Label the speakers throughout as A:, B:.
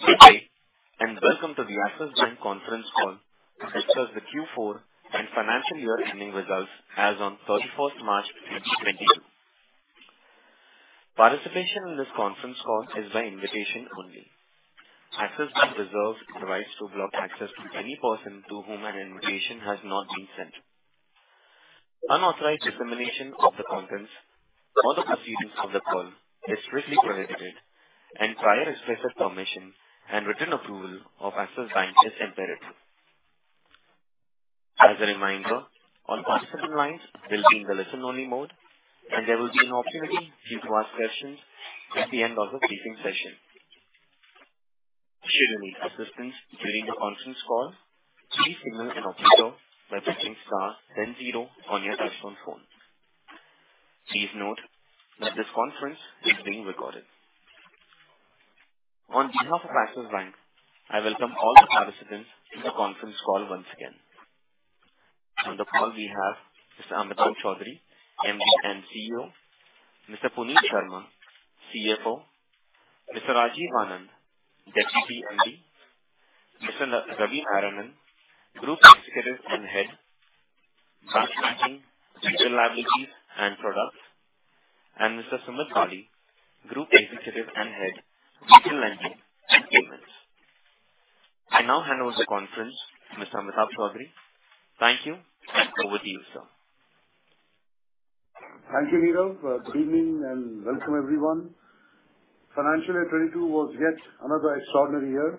A: Good day, and welcome to the Axis Bank conference call to discuss the Q4 and Financial Year Ending Results as on 31 March 2022. Participation in this conference call is by invitation only. Axis Bank reserves the rights to block access to any person to whom an invitation has not been sent. Unauthorized dissemination of the contents or the proceedings of the call is strictly prohibited, and prior express permission and written approval of Axis Bank is imperative. As a reminder, all participants will be in the listen-only mode, and there will be an opportunity for you to ask questions at the end of the briefing session. Should you need assistance during the conference call, please signal an operator by pressing star then zero on your touch-tone phone. Please note that this conference is being recorded. On behalf of Axis Bank, I welcome all the participants to the conference call once again. On the call we have Mr. Amitabh Chaudhry, MD and CEO, Mr. Puneet Sharma, CFO, Mr. Rajiv Anand, Deputy MD, Mr. Ravi Narayanan, Group Executive and Head, Branch Banking, Retail Liabilities and Products, and Mr. Sumit Bali, Group Executive and Head, Retail Lending and Payments. I now hand over the conference to Mr. Amitabh Chaudhry. Thank you, and over to you, sir.
B: Thank you, Nirav. Good evening and welcome everyone. Financial Year 2022 was yet another extraordinary year.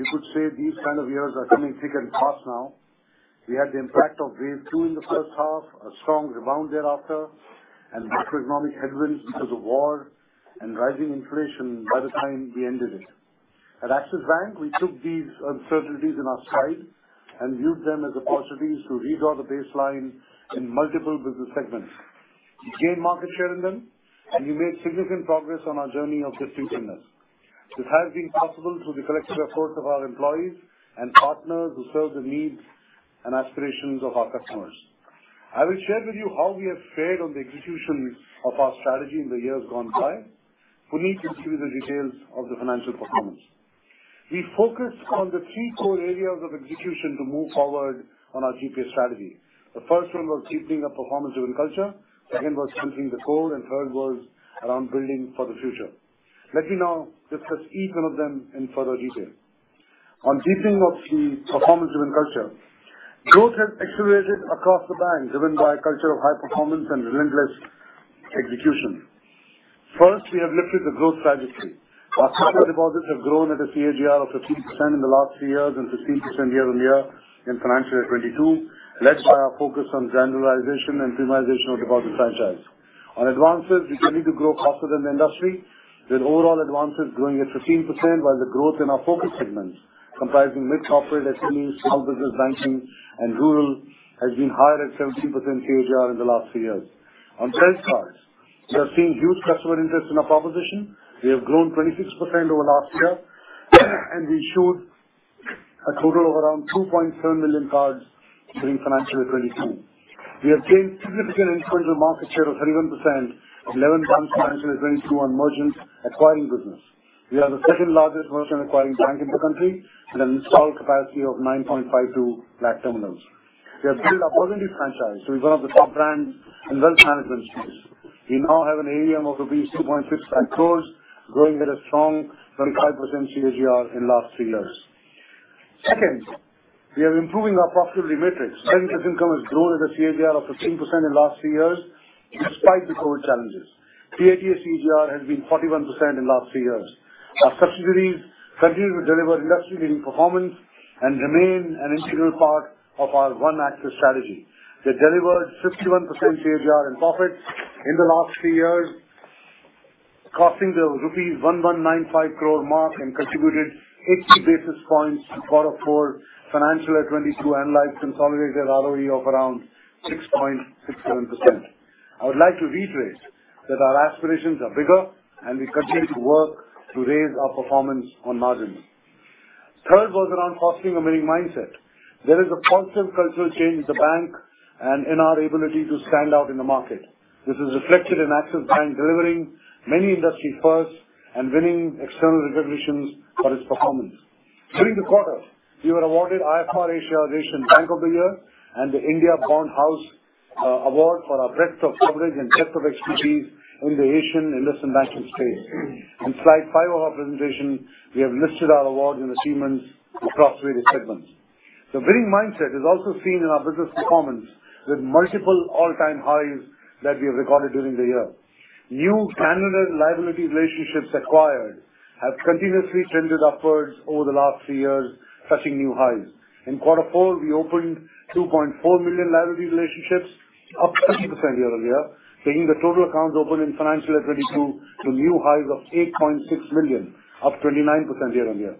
B: You could say these kind of years are coming thick and fast now. We had the impact of wave two in the first half, a strong rebound thereafter, and macroeconomic headwinds because of war and rising inflation by the time we ended it. At Axis Bank, we took these uncertainties in our stride and used them as opportunities to redraw the baseline in multiple business segments. We gained market share in them, and we made significant progress on our journey of distinction. This has been possible through the collective effort of our employees and partners who serve the needs and aspirations of our customers. I will share with you how we have fared on the execution of our strategy in the years gone by. Puneet will give you the details of the financial performance. We focused on the three core areas of execution to move forward on our GPS strategy. The first one was deepening a performance-driven culture, second was strengthening the core, and third was around building for the future. Let me now discuss each one of them in further detail. On deepening of the performance-driven culture, growth has accelerated across the bank, driven by a culture of high performance and relentless execution. First, we have lifted the growth trajectory. Our customer deposits have grown at a CAGR of 15% in the last three years and 16% year-on-year in financial year 2022, led by our focus on granularization and premiumization of deposit franchise. On advances, we continue to grow faster than the industry, with overall advances growing at 15%, while the growth in our focus segments comprising mid-corporate, SMEs, small business banking and rural has been higher at 17% CAGR in the last three years. On credit cards, we have seen huge customer interest in our proposition. We have grown 26% over last year, and we issued a total of around 2.7 million cards during financial year 2022. We have gained significant incremental market share of 31% at 11 times faster than the industry on Merchant Acquiring Business. We are the second-largest merchant acquiring bank in the country with an installed capacity of 9.52 lakh terminals. We have built a Burgundy franchise. We're one of the top brands in wealth management space. We now have an AUM of 2.6 lakh crores growing at a strong 25% CAGR in last three years. Second, we are improving our profitability metrics. Net interest income has grown at a CAGR of 15% in last three years despite the COVID challenges. PAT CAGR has been 41% in last three years. Our subsidiaries continue to deliver industry-leading performance and remain an integral part of our One Axis strategy. They delivered 61% CAGR in profits in the last three years, crossing the rupees 1,195 crore mark and contributed 80 basis points in quarter four financial year 2022, Axis consolidated ROE of around 6.67%. I would like to reiterate that our aspirations are bigger, and we continue to work to raise our performance on margins. Third was around fostering a winning mindset. There is a constant cultural change in the bank and in our ability to stand out in the market. This is reflected in Axis Bank delivering many industry firsts and winning external recognitions for its performance. During the quarter, we were awarded IFR Asia Asian Bank of the Year and the India Bond House Award for our breadth of coverage and depth of expertise in the Asian investment banking space. On slide 5 of our presentation, we have listed our awards and achievements across various segments. The winning mindset is also seen in our business performance with multiple all-time highs that we have recorded during the year. New candidate liability relationships acquired have continuously trended upwards over the last three years, touching new highs. In quarter four, we opened 2.4 million liability relationships, up 30% year-on-year, taking the total accounts open in financial year 2022 to new highs of 8.6 million, up 29% year-on-year.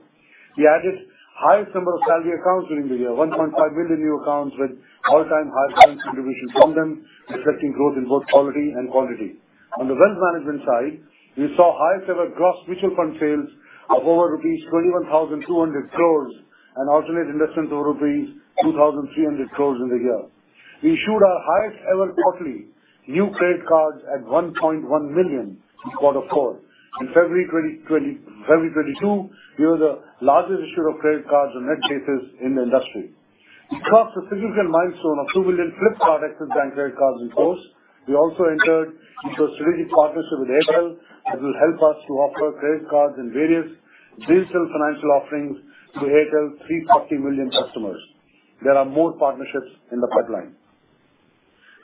B: We added highest number of salary accounts during the year, 1.5 million new accounts, with all-time high balance contribution from them, reflecting growth in both quality and quantity. On the wealth management side, we saw highest ever gross mutual fund sales of over rupees 21,200 crore and alternate investments over rupees 2,300 crore in the year. We issued our highest ever quarterly new credit cards at 1.1 million in quarter four. In February 2022, we were the largest issuer of credit cards on net basis in the industry. We crossed a significant milestone of 2 billion Flipkart Axis Bank credit cards in force. We also entered into a strategic partnership with Airtel that will help us to offer credit cards and various digital financial offerings to Airtel's 340 million customers. There are more partnerships in the pipeline.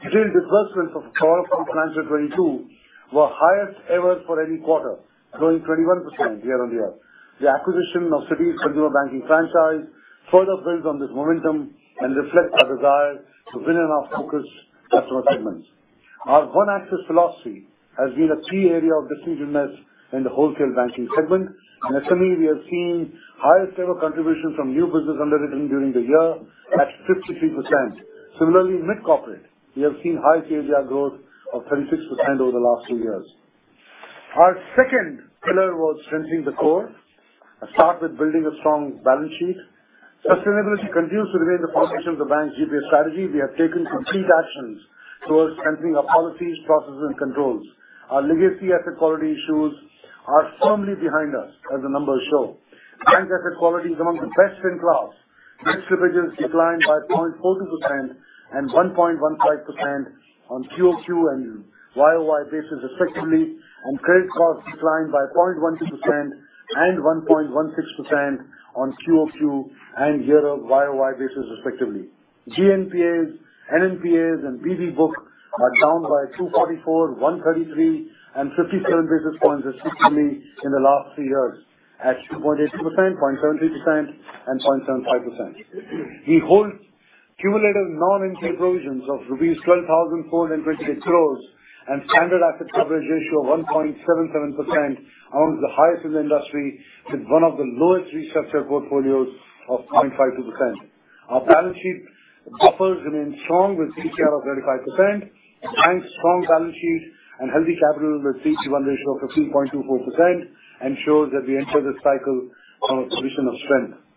B: Digital disbursements overall from FY 2022 were highest ever for any quarter, growing 21% year-on-year. The acquisition of Citi Personal Banking Franchise further builds on this momentum and reflects our desire to win in our focused customer segments. Our OneAxis Philosophy has been a key area of distinctiveness in the wholesale banking segment. Actually, we have seen highest ever contributions from new business underwriting during the year at 53%. Similarly, mid-corporate, we have seen high CAGR growth of 36% over the last two years. Our second pillar was strengthening the core. I start with building a strong balance sheet. Sustainability continues to remain the foundation of the bank's GPS strategy. We have taken concrete actions towards strengthening our policies, processes and controls. Our legacy asset quality issues are firmly behind us, as the numbers show. Bank asset quality is among the best in class. Non-performing loans declined by 0.42% and 1.15% on QoQ and YoY basis respectively, and credit costs declined by 0.12% and 1.16% on QoQ and year-over-year basis respectively. GNPA, NPAs and PV books are down by 244, 133 and 57 basis points respectively in the last three years at 2.82%, 0.73% and 0.75%. We hold cumulative non-interest provisions of rupees 12,428 crore and standard asset coverage ratio of 1.77%, amongst the highest in the industry, with one of the lowest restructured portfolios of 0.52%. Our balance sheet buffers remain strong with CCR of 35%. Bank's strong balance sheet and healthy capital with CET1 ratio of 13.24% ensures that we enter this cycle from a position of strength.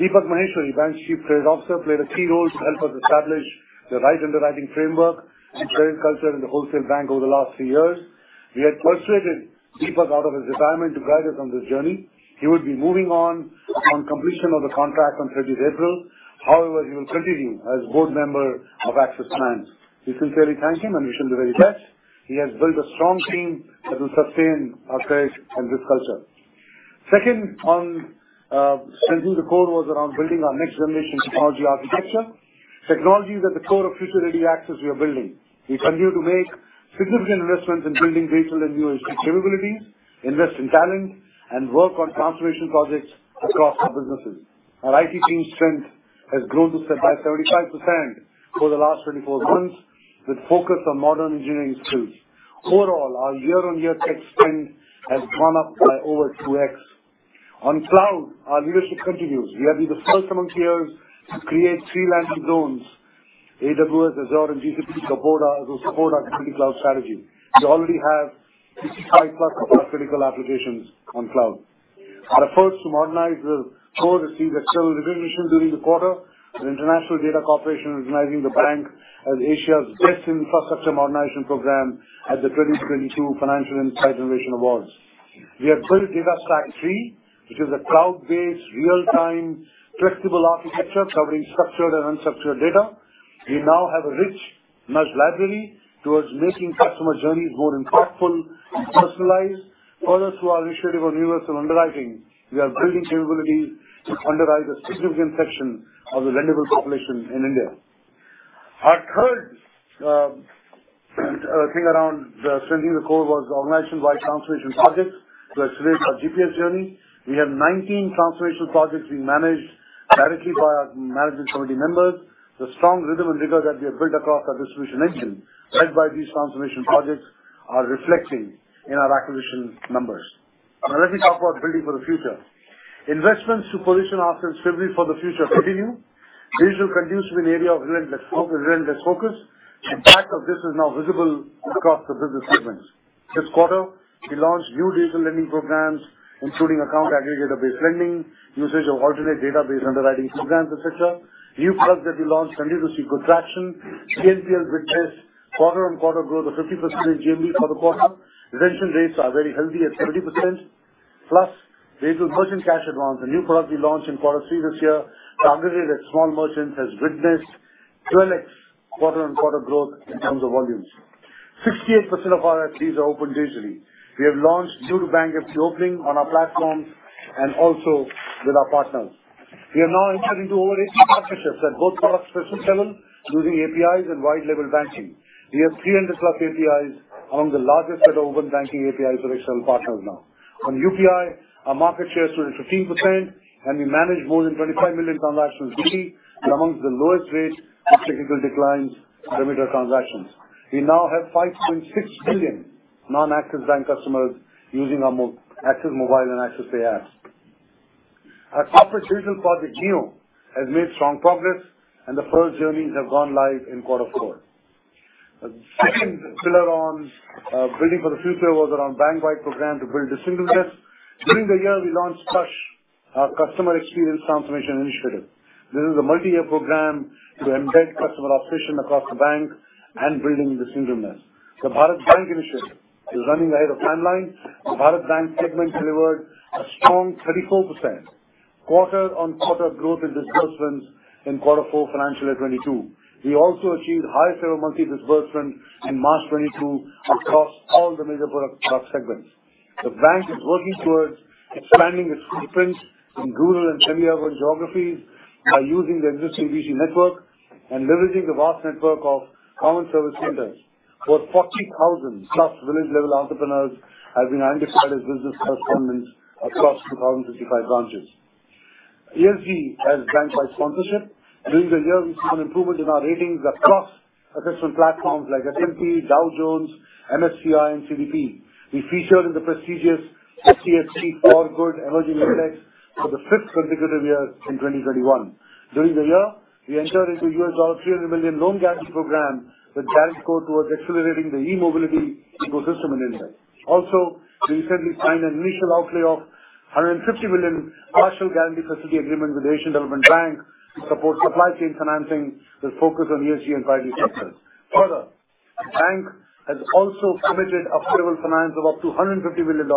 B: Deepak Maheshwari, Bank's Chief Credit Officer, played a key role to help us establish the right underwriting framework and credit culture in the wholesale bank over the last three years. We had persuaded Deepak out of his retirement to guide us on this journey. He would be moving on completion of the contract on 30 April. However, he will continue as board member of Axis Bank. We sincerely thank him, and we wish him the very best. He has built a strong team that will sustain our credit and risk culture. Second one on strengthening the core was around building our next generation technology architecture. Technology is at the core of future-ready Axis we are building. We continue to make significant investments in building digital and new age capabilities, invest in talent, and work on transformation projects across our businesses. Our IT team strength has grown to 75% over the last 24 months, with focus on modern engineering tools. Overall, our year-on-year tech spend has gone up by over 2x. On cloud, our leadership continues. We have been the first among peers to create three landing zones. AWS, Azure and GCP support our multi-cloud strategy. We already have 65+ of our critical applications on cloud. Our efforts to modernize the core received accelerated recognition during the quarter, with International Data Corporation recognizing the bank as Asia's Best Infrastructure Modernization program at the 2022 Financial Insights Innovation Awards. We have built DataStack 3, which is a cloud-based, real-time, flexible architecture covering structured and unstructured data. We now have a rich mesh library towards making customer journeys more impactful and personalized. Further to our initiative on universal underwriting, we are building capability to underwrite a significant section of the lendable population in India. Our third thing around strengthening the core was organization-wide transformation projects to accelerate our GPS journey. We have 19 transformational projects being managed directly by our management committee members. The strong rhythm and rigor that we have built across our distribution engine led by these transformation projects are reflecting in our acquisition numbers. Now let me talk about building for the future. Investments to position ourselves favorably for the future continue. Digital continues to be an area of relentless focus. The impact of this is now visible across the business segments. This quarter, we launched new digital lending programs, including account aggregator-based lending, usage of alternate database underwriting programs, et cetera. New products that we launched continue to see good traction. GNPL's witnessed quarter-on-quarter growth of 50% in GMV for the quarter. Retention rates are very healthy at 70%. Plus, digital merchant cash advance, a new product we launched in quarter three this year to aggregate small merchants, has witnessed 12x quarter-on-quarter growth in terms of volumes. 68% of our FPs are opened digitally. We have launched new-to-bank entry opening on our platforms and also with our partners. We are now entering into over 18 partnerships at both product level using APIs and wholesale level banking. We have 300+ APIs, among the largest set of open banking APIs for external partners now. On UPI, our market share stood at 15%, and we managed more than 25 million transactions daily and amongst the lowest rates of technical declines per million transactions. We now have 5.6 million non-Axis Bank customers using our Axis Mobile and Axis Pay apps. Our corporate digital project NEO has made strong progress, and the first journeys have gone live in quarter four. The second pillar on building for the future was around bank-wide program to build the seamlessness. During the year, we launched Sparsh, our Customer Experience Transformation Initiative. This is a multi-year program to embed customer obsession across the bank and building the seamlessness. The Bharat Banking initiative is running ahead of timeline. The Bharat Banking segment delivered a strong 34% quarter-on-quarter growth in disbursements in quarter four financial 2022. We also achieved highest ever monthly disbursement in March 2022 across all the major product segments. The bank is working towards expanding its footprint in rural and semi-urban geographies by using the existing BC network and leveraging the vast network of common service centers, where 40,000+ village level entrepreneurs have been identified as business correspondents across 2,055 branches. ESG has bank-wide sponsorship. During the year, we saw an improvement in our ratings across assessment platforms like S&P, Dow Jones, MSCI and CDP. We featured in the prestigious FTSE4Good emerging index for the fifth consecutive year in 2021. During the year, we entered into $300 million loan guarantee program that is going towards accelerating the e-mobility ecosystem in India. Also, we recently signed an initial outlay of $150 million partial guarantee facility agreement with the Asian Development Bank to support supply chain financing with focus on ESG and priority sectors. Further, the bank has also committed available finance of up to $150 billion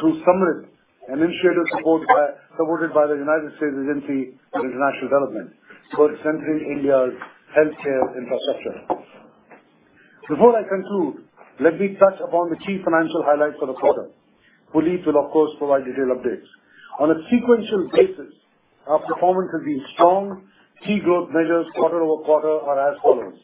B: through SAMRIDH, an initiative supported by the United States Agency for International Development towards centering India's healthcare infrastructure. Before I conclude, let me touch upon the key financial highlights for the quarter. Puneet will of course provide detailed updates. On a sequential basis, our performance has been strong. Key growth measures quarter-over-quarter are as follows.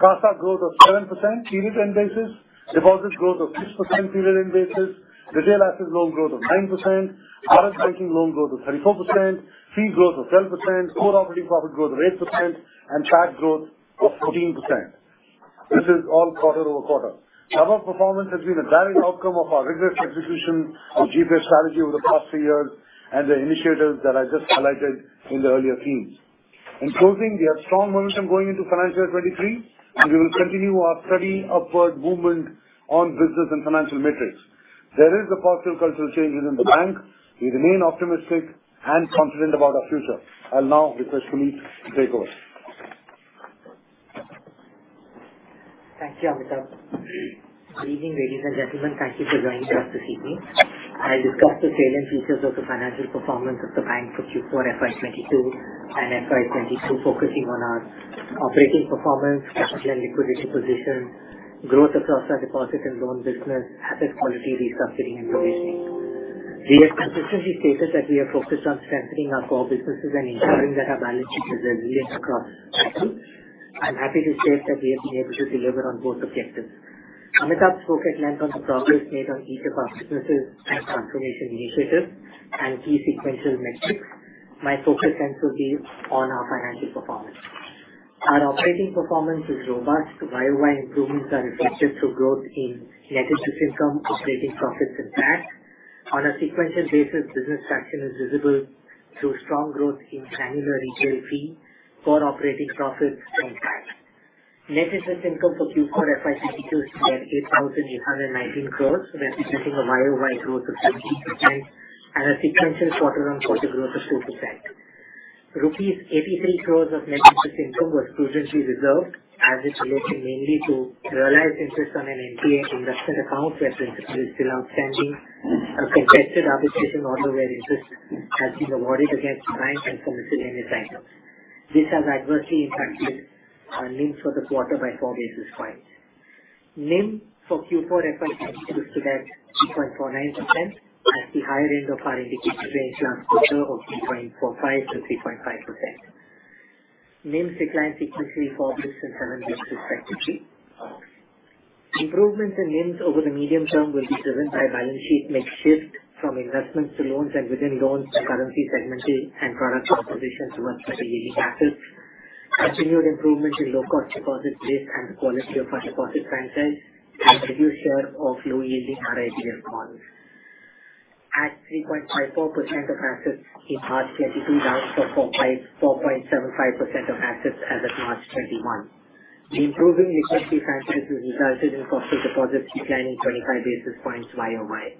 B: CASA growth of 7% period-end basis. Deposit growth of 6% period-end basis. Retail assets loan growth of 9%. RUSU banking loan growth of 34%. Fee growth of 12%. Core operating profit growth of 8%, and PAT growth of 14%. This is all quarter-over-quarter. Above performance has been a direct outcome of our rigorous execution of GPS strategy over the past 3 years and the initiatives that I just highlighted in the earlier themes. In closing, we have strong momentum going into financial year 2023, and we will continue our steady upward movement on business and financial metrics. There is a positive cultural change within the bank. We remain optimistic and confident about our future. I'll now request Puneet to take over.
C: Thank you, Amitabh. Good evening, ladies and gentlemen. Thank you for joining us this evening. I'll discuss the salient features of the financial performance of the bank for Q4 FY 2022 and FY 2022, focusing on our operating performance, capital and liquidity position, growth across our deposit and loan business, asset quality, risk offsetting and provisioning. We have consistently stated that we are focused on strengthening our core businesses and ensuring that our balance sheet is resilient across cycles. I'm happy to state that we have been able to deliver on both objectives. Amitabh focused at length on the progress made on each of our businesses and transformation initiatives and key sequential metrics. My focus then should be on our financial performance. Our operating performance is robust. Year-over-year improvements are reflected through growth in net interest income, operating profits and PAT. On a sequential basis, business traction is visible through strong growth in annual retail fee, core operating profits and PAT. Net interest income for Q4 FY 2022 stood at 8,819 crores, representing a 13% YoY growth and a 2% sequential quarter-on-quarter growth. INR 83 crores of net interest income was prudently reserved as it related mainly to realized interest on an NPA investment account where principal is still outstanding. A contested arbitration order where interest has been awarded against client and some miscellaneous items. This has adversely impacted our NIMs for the quarter by 4 basis points. NIM for Q4 FY 2022 stood at 3.49% at the higher end of our indicated range last quarter of 3.45%-3.5%. NIM declined sequentially 4 basis points and 7 basis points respectively. Improvements in NIMs over the medium term will be driven by balance sheet mix shift from investments to loans and within loans and currency segmenting and product composition towards better yielding assets. Continued improvement in low cost deposits base and the quality of our deposit franchise has reduced share of low yielding RIDF models. At 3.54% of assets in March 2022, down from 4.75% of assets as of March 2021. The improving liquidity franchise has resulted in cost of deposits declining 25 basis points YoY.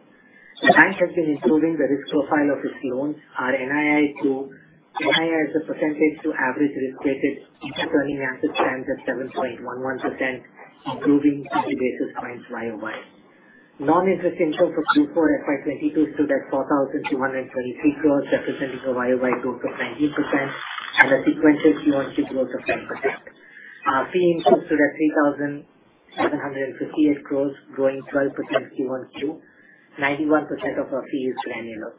C: The bank has been improving the risk profile of its loans. Our NII as a percentage of average risk-weighted assets stands at 7.11%, improving 50 basis points YoY. Non-interest income for Q4 FY 2022 stood at 4,223 crores, representing a YoY growth of 19% and a sequential QoQ growth of 10%. Our fee income stood at 3,758 crores, growing 12% QoQ. 91% of our fee is annual.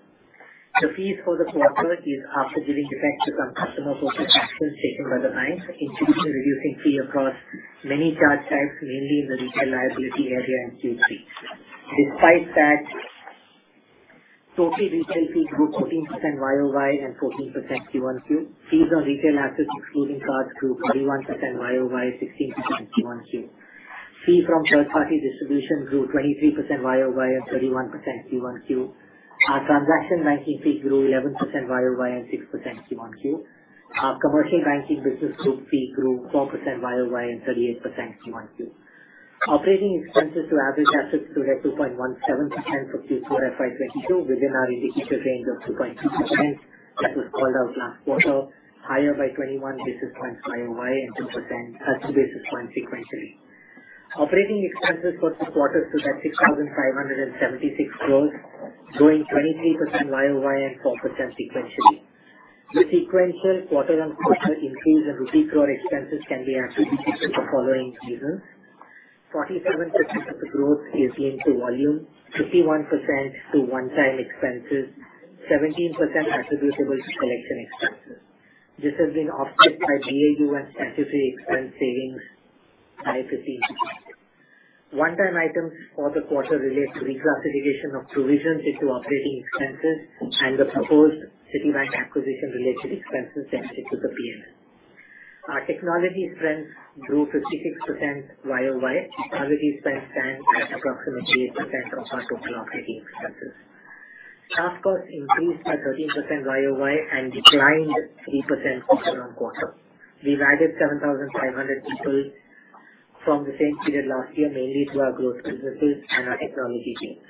C: The fees for the quarter is after giving effect to some customer focused actions taken by the bank, including reducing fee across many charge types, mainly in the retail liability area and Q3. Despite that, total retail fees grew 14% YoY and 14% QoQ. Fees on retail assets excluding cards grew 31% YoY, 16% QoQ. Fee from third party distribution grew 23% YoY and 31% QoQ. Our transaction banking fee grew 11% YoY and 6% QoQ. Our commercial banking business group fee grew 4% YoY and 38% QoQ. Operating expenses to average assets stood at 2.17% for Q4 FY 2022, within our indicated range of 2.2%, as was called out last quarter, higher by 21 basis points YoY and 2 basis points sequentially. Operating expenses for this quarter stood at 6,576 crores, growing 23% YoY and 4% sequentially. The sequential quarter-on-quarter increase in rupee crore expenses can be attributed to the following reasons: 47% of the growth is linked to volume, 51% to one-time expenses, 17% attributable to collection expenses. This has been offset by GAU and statutory expense savings by 15%. One-time items for the quarter relate to reclassification of provisions into operating expenses and the proposed Citibank acquisition-related expenses mentioned to the PN. Our technology expense grew 56% YoY. Technology expenses stand at approximately 8% of our total operating expenses. Staff costs increased by 13% year-over-year and declined 3% quarter-over-quarter. We've added 7,500 people from the same period last year, mainly to our growth businesses and our technology teams.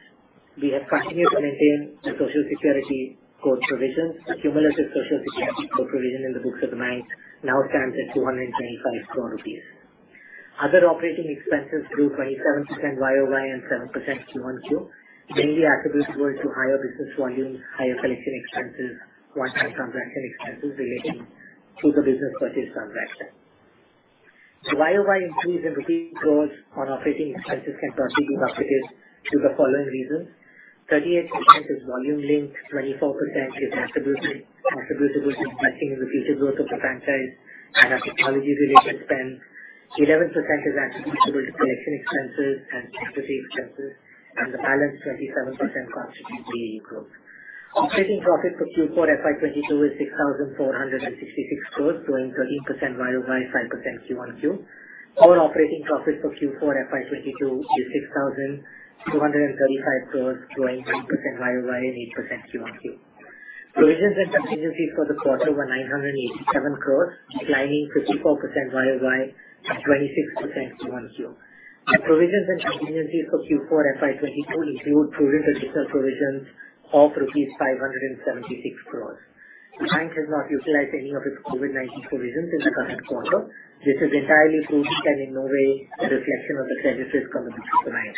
C: We have continued to maintain the Code on Social Security provisions. The cumulative Code on Social Security provision in the books of the bank now stands at 225 crore rupees. Other operating expenses grew 27% year-over-year and 7% quarter-over-quarter, mainly attributable to higher business volumes, higher collection expenses, one-time transaction expenses relating to the business purchase transaction. The year-over-year increase in Rupee crores on operating expenses can partially be attributed to the following reasons: 38% is volume linked, 24% is attributable to investing in the future growth of the franchise and our technology-related spend. 11% is attributable to collection expenses and equity expenses, and the balance 37% constitutes AE growth. Operating profit for Q4 FY 2022 is 6,466 crores, growing 13% year-over-year, 5% quarter-over-quarter. Our operating profit for Q4 FY 2022 is 2,235 crores, growing 3% year-over-year and 8% quarter-over-quarter. Provisions and contingencies for the quarter were 987 crores, declining 54% year-over-year and 26% quarter-over-quarter. Our provisions and contingencies for Q4 FY 2022 include prudent additional provisions of rupees 576 crores. The bank has not utilized any of its COVID-19 provisions in the current quarter. This is entirely prudent and in no way a reflection of the credit risk coming to the bank.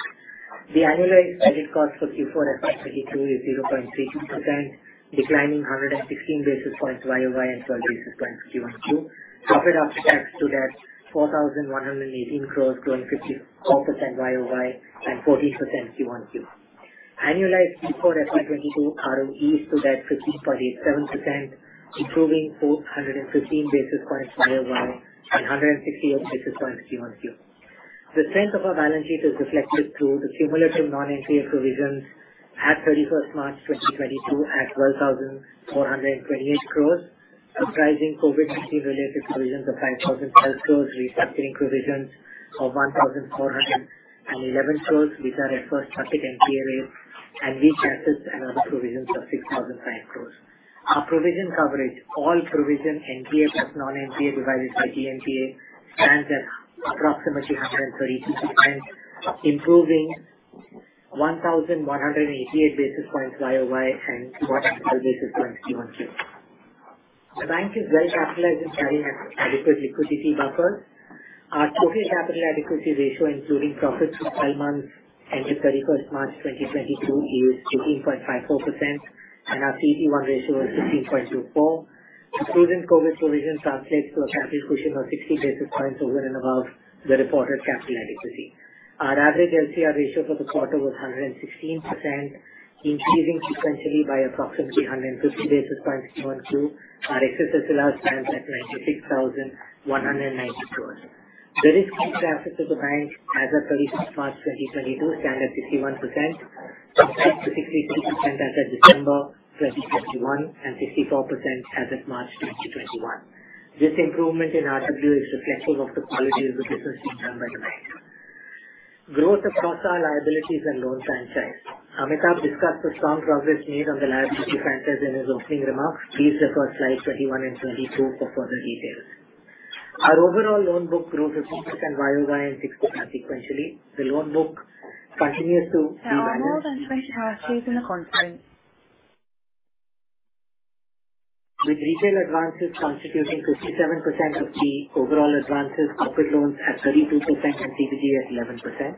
C: The annualized credit cost for Q4 FY 2022 is 0.32%, declining 116 basis points year-over-year and 12 basis points quarter-over-quarter. Profit after tax stood at INR 4,118 crores, growing 54% year-over-year and 14% quarter-over-quarter. Annualized Q4 FY 2022 ROE stood at 15.87%, improving 415 basis points year-over-year and 168 basis points quarter-over-quarter. The strength of our balance sheet is reflected through the cumulative non-NPA provisions at 31st March 2022 at 12,428 crores, comprising COVID-19 related provisions of 5,012 crores, restructuring provisions of 1,411 crores, which are at first-party NPA, and lease assets and other provisions of 6,005 crores. Our provision coverage, all provision NPA plus non-NPA divided by GNPA, stands at approximately 132%, improving 1,188 basis points YoY and 212 basis points Q1Q. The bank is well-capitalized and carrying adequate liquidity buffers. Our total capital adequacy ratio, including profits for twelve months ended March 31, 2022, is 13.54%, and our CET1 ratio is 16.24. The prudent COVID provision translates to a capital cushion of 60 basis points over and above the reported capital adequacy. Our average LCR ratio for the quarter was 116%, increasing sequentially by approximately 150 basis points Q1Q. Our excess surplus stands at 96,190 crores. The risk-weight assets of the bank as of 31 March 2022 stand at 61%, compared to 63% as of December 2021 and 64% as of March 2021. This improvement in RWA is reflective of the quality of the business being done by the bank. Growth across our liabilities and loan franchise. Amitabh discussed the strong progress made on the liability franchise in his opening remarks. Please refer slides 21 and 22 for further details. Our overall loan book grew 15% YoY and 6% sequentially. The loan book continues to be managed with retail advances constituting 57% of the overall advances, corporate loans at 32% and CBG at 11%.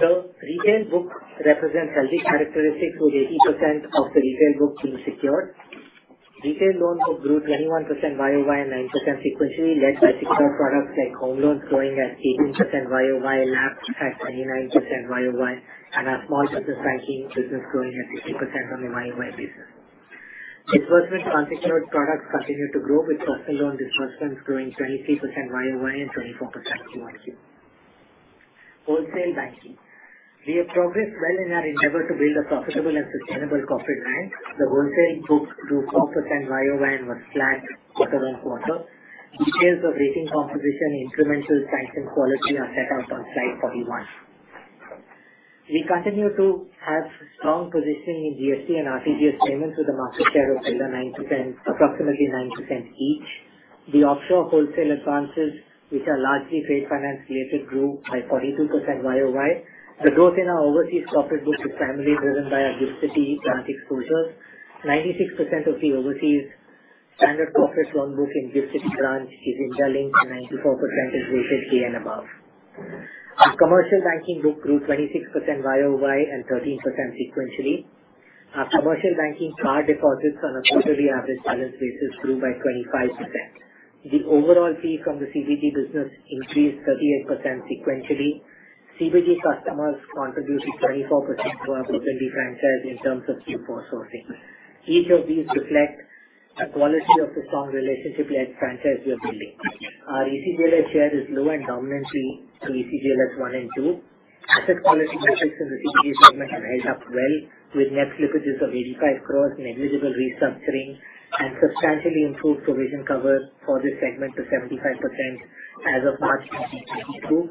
C: The retail book represents healthy characteristics, with 80% of the retail book being secured. Retail loan book grew 21% YoY and 9% sequentially, led by secured products like home loans growing at 18% YoY, LAPs at 29% YoY, and our small business banking business growing at 50% on a YoY basis. Disbursement on secured products continued to grow, with personal loan disbursements growing 23% YoY and 24% Q1Q. Wholesale banking. We have progressed well in our endeavor to build a profitable and sustainable corporate bank. The wholesale books grew 4% YoY and was flat quarter on quarter. Details of rating composition, incremental sanctions, and quality are set out on slide 41. We continue to have strong positioning in NEFT and RTGS payments with a market share of over 9%, approximately 9% each. The offshore wholesale advances, which are largely trade finance related, grew by 42% YoY. The growth in our overseas profit book is primarily driven by our GIFT City branch exposures. 96% of the overseas standard profit loan book in GIFT City branch is in dollar-linked and 94% is rated C and above. Our commercial banking book grew 26% YoY and 13% sequentially. Our commercial banking card deposits on a quarterly average balance basis grew by 25%. The overall fee from the CBG business increased 38% sequentially. CBG customers contributed 24% to our book MD franchise in terms of Q4 sourcing. Each of these reflect a quality of the strong relationship-led franchise we are building. Our ECLGS share is low and dominantly to ECGLS 1 and 2. Asset quality metrics in the CBG segment have held up well with net slippages of 85 crore, negligible restructuring and substantially improved provision cover for this segment to 75% as of March 2022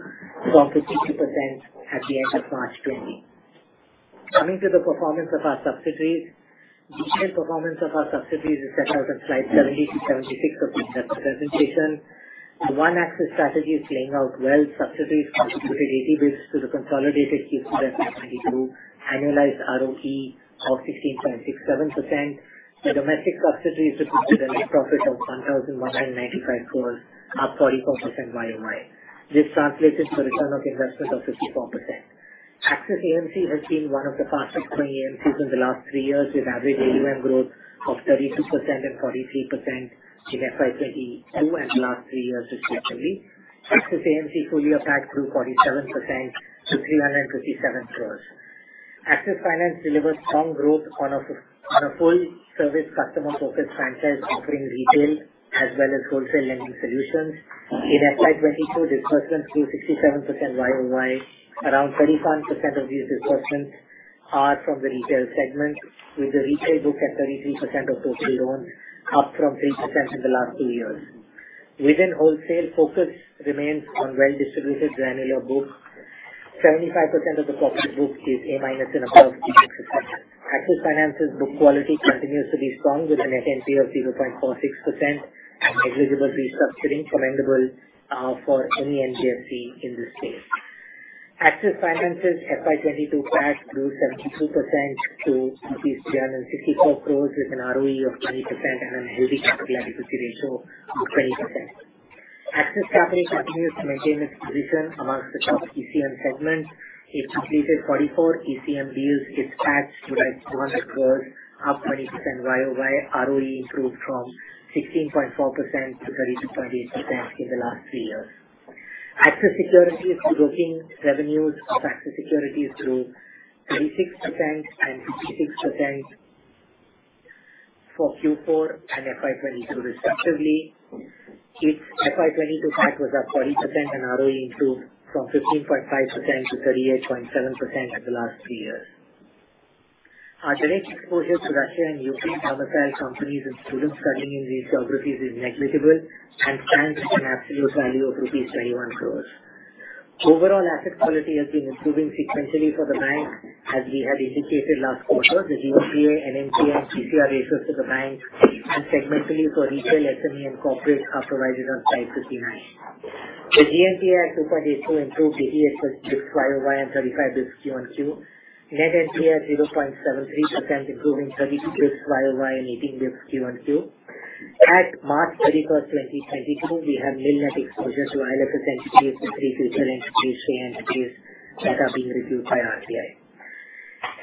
C: from 52% at the end of March 2020. Detailed performance of our subsidiaries is set out on slide 70-76 of the investor presentation. The OneAxis strategy is playing out well. Subsidiaries contributed 80 bps to the consolidated Q4 FY 2022 annualized ROE of 16.67%. The domestic subsidiaries reported a net profit of INR 1,195 crore, up 44% YoY. This translated to a return of investment of 54%. Axis AMC has been one of the fastest growing AMCs in the last three years, with average AUM growth of 32% and 43% in FY 2022 and the last three years respectively. Axis AMC full year PAT grew 47% to 357 crore. Axis Finance delivers strong growth on a full service customer focused franchise offering retail as well as wholesale lending solutions. In FY 2022, disbursements grew 67% YoY. Around 31% of these disbursements are from the retail segment, with the retail book at 33% of total loans, up from 3% in the last two years. Within wholesale, focus remains on well-distributed granular books. 75% of the portfolio book is A-minus and above. Axis Finance's book quality continues to be strong with a net NPA of 0.46% and negligible restructuring, commendable for any NBFC in this space. Axis Finance's FY 2022 PAT grew 72% to 364 crore with an ROE of 20% and a healthy capital adequacy ratio of 20%. Axis Capital continues to maintain its position among the top ECM segments. It completed 44 ECM deals. Its PAT grew by 200 crore, up 20% YoY. ROE improved from 16.4%-32.8% in the last three years. Axis Securities broking revenues of Axis Securities grew 36% and 56% for Q4 and FY22 respectively. Its FY22 PAT was up 40% and ROE improved from 15.5% to 38.7% in the last three years. Our direct exposure to Russia and Ukraine domiciled companies and students studying in these geographies is negligible and stands at an absolute value of rupees 21 crore. Overall asset quality has been improving sequentially for the bank. As we had indicated last quarter, the GNPA, NPAs, CCR ratios for the bank and segmentally for retail, SME and corporate are provided on slide 59. The GNPA at 2.82 improved 80 basis YoY and 35 basis QoQ. Net NPA at 0.73%, improving 32 basis YoY and 18 basis QoQ. At March 31, 2022, we have nil net exposure to IL&FS entities and 3 retail entities, 3 entities that are being reviewed by RBI.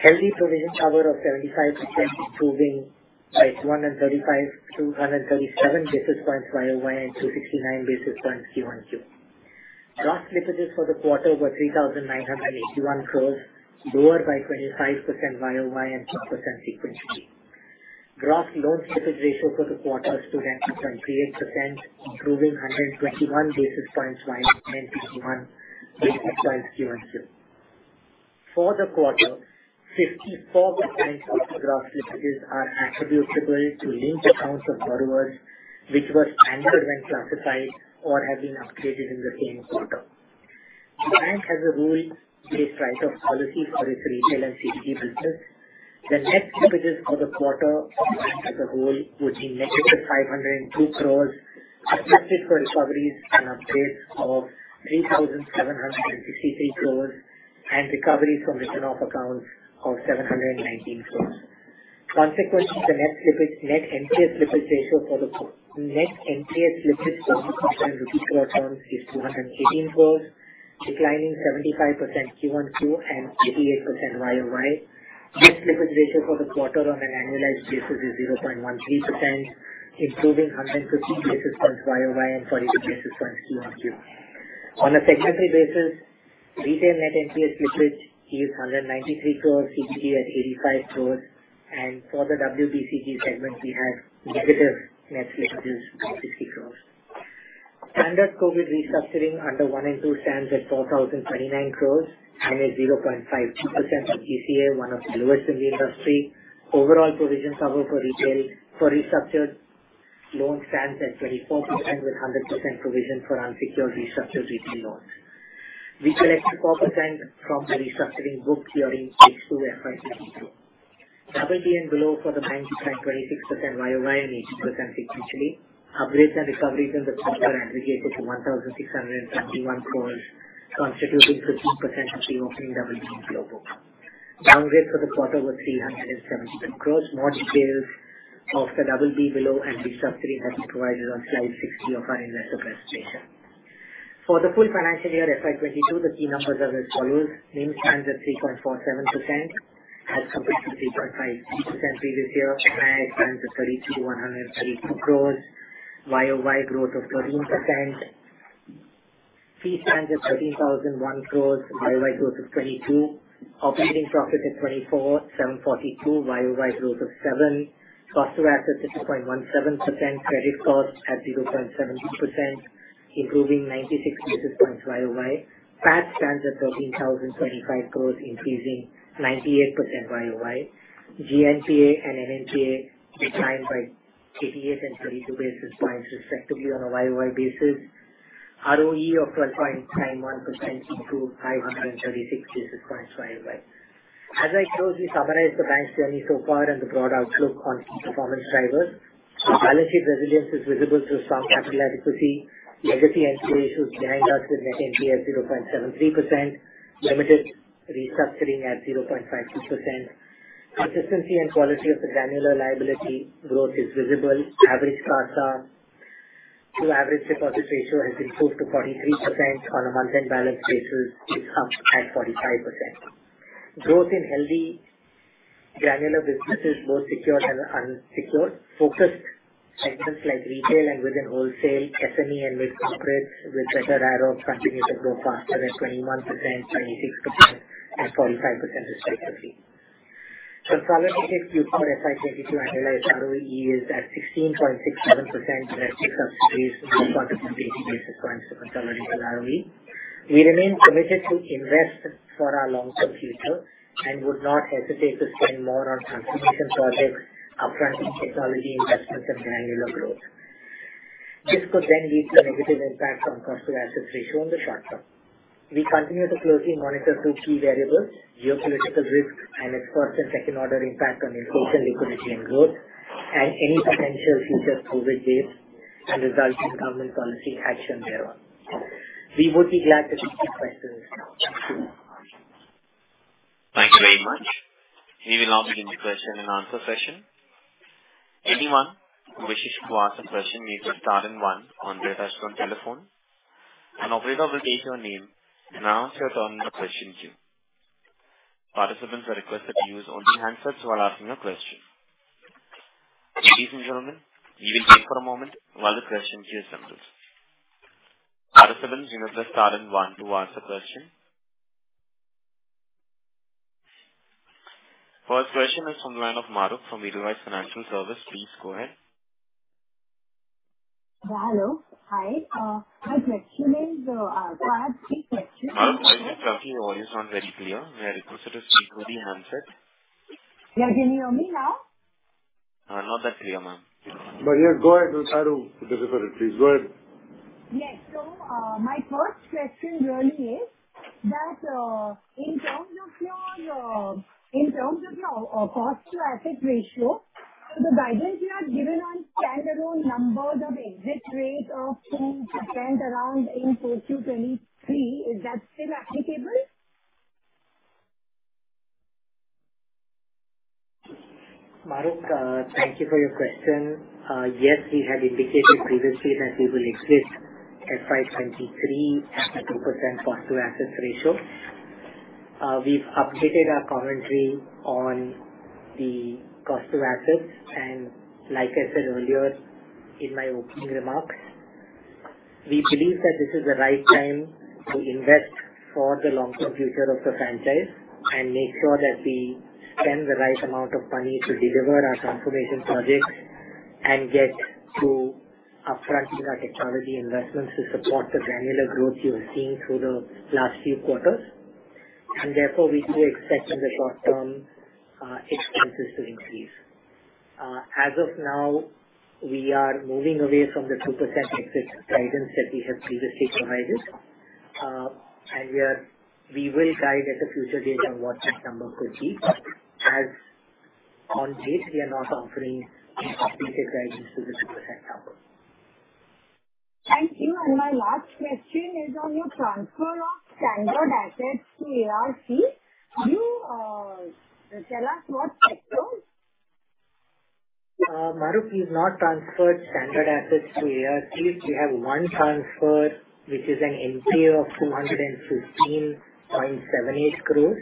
C: Healthy provision cover of 75%, improving by 135-137 basis points YoY and 269 basis points QoQ. Gross slippages for the quarter were 3,981 crore, lower by 25% YoY and 4% sequentially. Gross loans slippage ratio for the quarter stood at 0.38%, improving 121 basis points YoY and 91 basis points QoQ. For the quarter, 54% of gross slippages are attributable to linked accounts of borrowers which were anchored when classified or have been upgraded in the same quarter. The bank as a whole takes greater policy for its retail and CBG business. The net slippages for the quarter of the bank as a whole, which is -502 crore, adjusted for recoveries and upgrades of 3,763 crore and recoveries from written off accounts of 719 crore. Consequently, the net slip-net NPS slippage ratio for the Net NPS slippage for the quarter in rupee crore terms is 218 crore, declining 75% QoQ and 88% YoY. Net slippage ratio for the quarter on an annualized basis is 0.13%, improving 150 basis points YoY and 40 basis points QoQ. On a segment basis, retail net NPS slippage is 193 crore, CBG at 85 crore. For the WBCG segment, we have negative net slippages of 60 crore. Standard COVID restructuring under one and two stands at 4,029 crore and is 0.52% of GCA, one of the lowest in the industry. Overall provision cover for retail restructured loans stands at 24%, with 100% provision for unsecured restructured retail loans. We collected provisions from the restructuring book clearing phase two FY 2022. D and below for the bank declined 26% YoY and 18% sequentially. Upgrades and recoveries in the quarter aggregate to 1,671 crores, constituting 13% of the opening D and below book. Downgrades for the quarter were 377 crores. More details of the D and below and restructuring have been provided on slide 60 of our investor presentation. For the full financial year FY 2022, the key numbers are as follows. NIM stands at 3.47% as compared to 3.53% previous year. GNPA stands at 32 crores-132 crores, YoY growth of 13%. Fee stands at 13,001 crores, YoY growth of 22%. Operating profit at 24,742 crores, YoY growth of 7% Cost to assets is 2.17%. Credit cost at 0.70%, improving 96 basis points YoY. PAT stands at 13,025 crores, increasing 98% YoY. GNPA and NNPA declined by 88 and 32 basis points respectively on a YoY basis. ROE of 12.91% to 536 basis points YoY. We summarize the bank's journey so far and the broad outlook on key performance drivers. Our balance sheet resilience is visible through strong capital adequacy. Legacy NPA issues behind us with net NPA at 0.73%, limited restructuring at 0.52%. Consistency and quality of the granular liability growth is visible. Average CASA to average deposits ratio has improved to 43% on a month-end balance basis, it's up at 45%. Growth in healthy granular businesses, both secured and unsecured. Focused segments like retail and within wholesale, SME and mid-corporates with better ARO continue to grow faster at 21%, 26% and 45% respectively. The forward-looking view for FY 2022 annualized ROE is at 16.67%, net of subsidies, 480 basis points to the underlying ROE. We remain committed to invest for our long-term future and would not hesitate to spend more on transformation projects, upfronting technology investments and granular growth. This could then lead to a negative impact on cost to assets ratio in the short term. We continue to closely monitor two key variables, geopolitical risk and its first- and second-order impact on inflation, liquidity and growth, and any potential future COVID waves and resulting government policy action thereon. We would be glad to take your questions now. Thank you.
A: Thank you very much. We will now begin the question and answer session. Anyone who wishes to ask a question may press star and one on their touchtone telephone. An operator will take your name and announce your turn in the question queue. Participants are requested to use only handsets while asking a question. Ladies and gentlemen, we will wait for a moment while the question queue assembles. Participants, you may press star and one to ask a question. First question is from the line of Mahrukh from Edelweiss Financial Services. Please go ahead.
D: Hello. Hi. My question is, there are three questions.
A: Ma'am, I think your voice is not very clear. May I request you to speak over the handset?
D: Yeah. Can you hear me now?
A: Not that clear, ma'am.
C: Yeah, go ahead. We'll try to decipher it. Please go ahead.
D: My first question really is that, in terms of your cost to asset ratio, the guidance you have given on standalone numbers of exit rate of 10% around in FY 2023, is that still applicable?
C: Mahrukh, thank you for your question. Yes, we had indicated previously that we will exit FY 2023 at a 2% cost to assets ratio. We've updated our commentary on the cost to assets, and like I said earlier in my opening remarks, we believe that this is the right time to invest for the long-term future of the franchise and make sure that we spend the right amount of money to deliver our transformation projects and get to upfronting our technology investments to support the granular growth you are seeing through the last few quarters. Therefore, we do expect in the short term, expenses to increase. As of now, we are moving away from the 2% exit guidance that we have previously provided. We will guide at a future date on what that number could be. As on date, we are not offering any updated guidance to the 2% number.
D: Thank you. My last question is on your transfer of standard assets to ARC. Can you tell us what sector?
C: Mahrukh, we've not transferred standard assets to ARC. We have one transfer, which is an NPA of 215.78 crore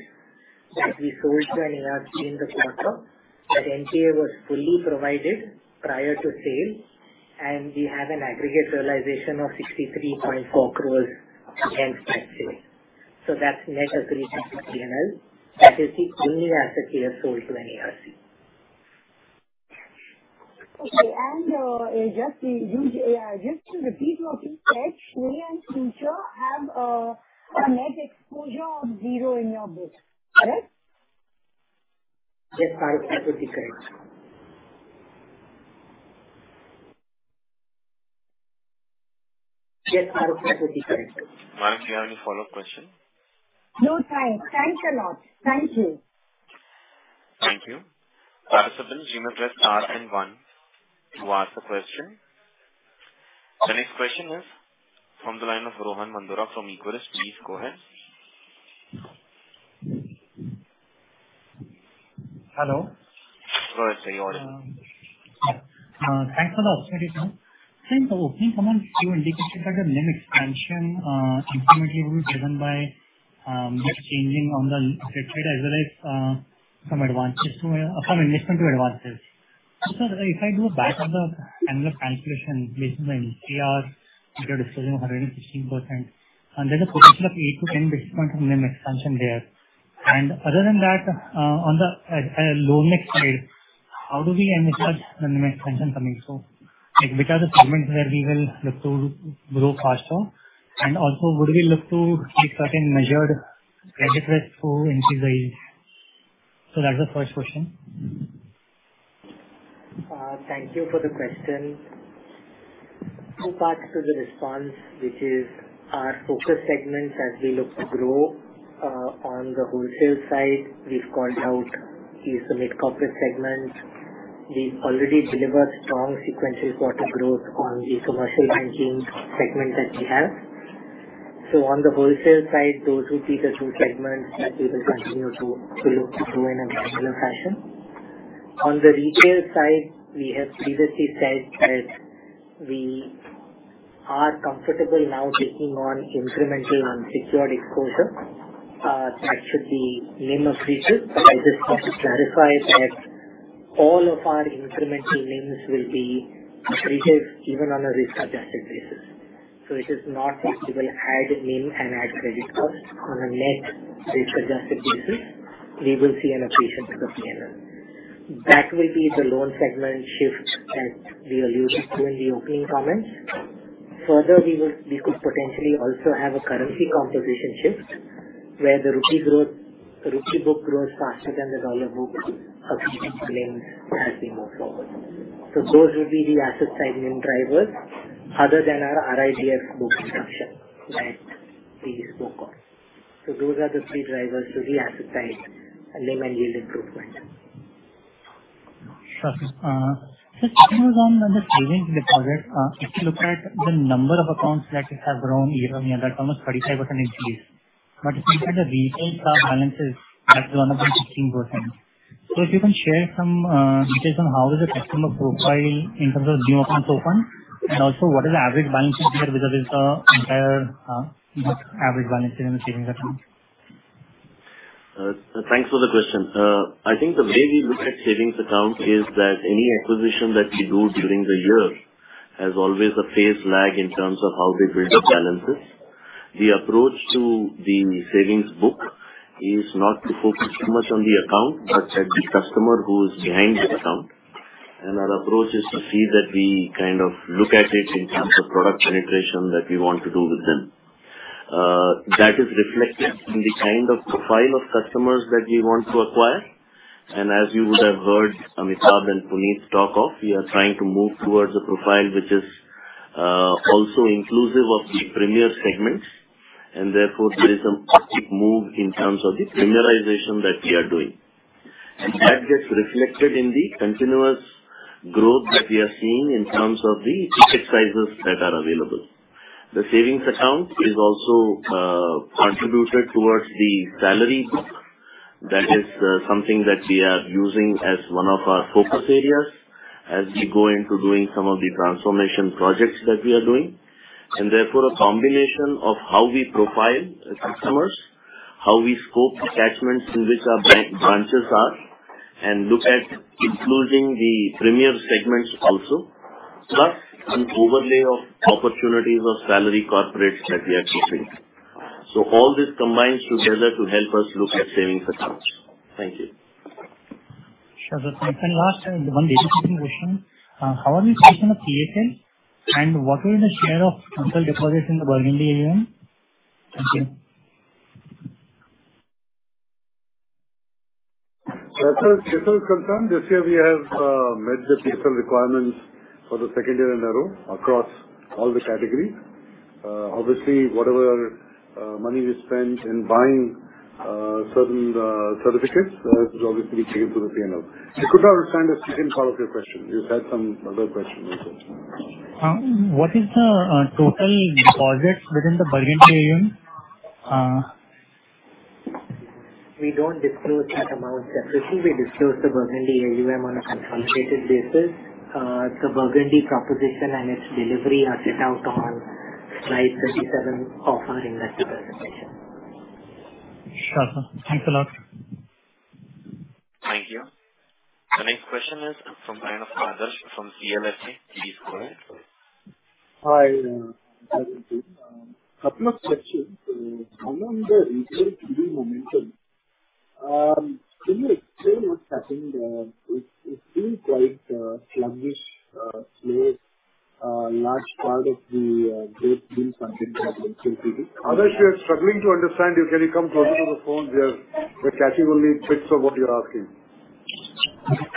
C: that we sold to an ARC in the quarter. That NPA was fully provided prior to sale, and we have an aggregate realization of 63.4 crore against that sale. That's net accretion to P&L. That is the only asset we have sold to an ARC.
D: Okay. Just to repeat what you said, IL&FS and Future have a net exposure of zero in your book. Correct?
C: Yes, Parag. That would be correct.
A: Ma'am, do you have any follow-up question?
D: No, thanks. Thanks a lot. Thank you.
A: Thank you. Operators, you may press star and one to ask a question. The next question is from the line of Rohan Mandora from Equirus. Please go ahead.
E: Hello.
A: Go ahead, sir. You're on mute.
E: Thanks for the opportunity. In the opening comments, you indicated that the NIM expansion incrementally will be driven by mix changing on the spread side as well as from investment to advances. If I do a back of the envelope calculation based on the PCR, which you're disclosing 116%, and there's a potential of 8-10 basis point from NIM expansion there. Other than that, on the loan mix side, how do we anticipate the NIM expansion coming through? Like, which are the segments where we will look to grow faster? And also, would we look to take certain measured credit risk to increase the? That's the first question.
B: Thank you for the question. Two parts to the response, which is our focus segments as we look to grow. On the wholesale side, we've called out the mid-corporate segment. We've already delivered strong sequential quarter growth on the commercial banking segment that we have. On the wholesale side, those would be the two segments that we will continue to look to grow in a regular fashion. On the retail side, we have previously said that we are comfortable now taking on incremental unsecured exposure, that should be NIM accretive. I just want to clarify that all of our incremental NIMs will be accretive even on a risk-adjusted basis. It is not that we will add NIM and add credit cost. On a net risk-adjusted basis, we will see an accretion to the P&L. That will be the loan segment shift that we alluded to in the opening comments. Further, we could potentially also have a currency composition shift where the rupee growth, the rupee book grows faster than the dollar book as we take loans as we move forward. Those would be the asset side NIM drivers other than our RIDF book reduction that we spoke of. Those are the three drivers to the asset side NIM and yield improvement.
E: Sure. Just checking on the savings deposit. If you look at the number of accounts that have grown year-on-year, that's almost 35% increase. If you look at the retail side balances, that's grown up in 16%. If you can share some details on how is the customer profile in terms of new accounts opened, and also what is the average balance compared with the entire book average balance in the savings account?
C: Thanks for the question. I think the way we look at savings account is that any acquisition that we do during the year has always a phase lag in terms of how we build the balances. The approach to the savings book is not to focus too much on the account, but at the customer who is behind the account. Our approach is to see that we kind of look at it in terms of product penetration that we want to do with them. That is reflected in the kind of profile of customers that we want to acquire. As you would have heard Amitabh and Puneet talk of, we are trying to move towards a profile which is also inclusive of the premier segments. There is a positive move in terms of the premiumization that we are doing. That gets reflected in the continuous growth that we are seeing in terms of the ticket sizes that are available. The savings account is also contributed towards the salary book. That is something that we are using as one of our focus areas as we go into doing some of the transformation projects that we are doing. Therefore, a combination of how we profile customers, how we scope attachments in which our bank branches are, and look at including the premier segments also, plus an overlay of opportunities of salary corporates that we are chasing. All this combines together to help us look at savings accounts. Thank you.
E: Sure. Last, one data point question. How are we tracking on PSL? What will be the share of retail deposits in the Burgundy AUM? Thank you.
B: As far as PSL is concerned, this year we have met the PSL requirements for the second year in a row across all the categories. Obviously, whatever money we spent in buying certain certificates, it will obviously be taken to the P&L. I could not understand the second part of your question. You had some other question also.
E: What is the total deposits within the Burgundy AUM?
C: We don't disclose that amount separately. We disclose the Burgundy AUM on a consolidated basis. The Burgundy proposition and its delivery are set out on slide 37 of our investor presentation.
E: Sure, sir. Thanks a lot.
A: Yeah. The next question is from Adarsh Parasrampuria from CLSA. Please go ahead.
F: Hi, first question, among the retail TD momentum, can you explain what's happening? It's been quite sluggish lately, large part of the growth being funded by the retail TD.
B: Adarsh, we are struggling to understand you. Can you come closer to the phone? The static only fits for what you're asking.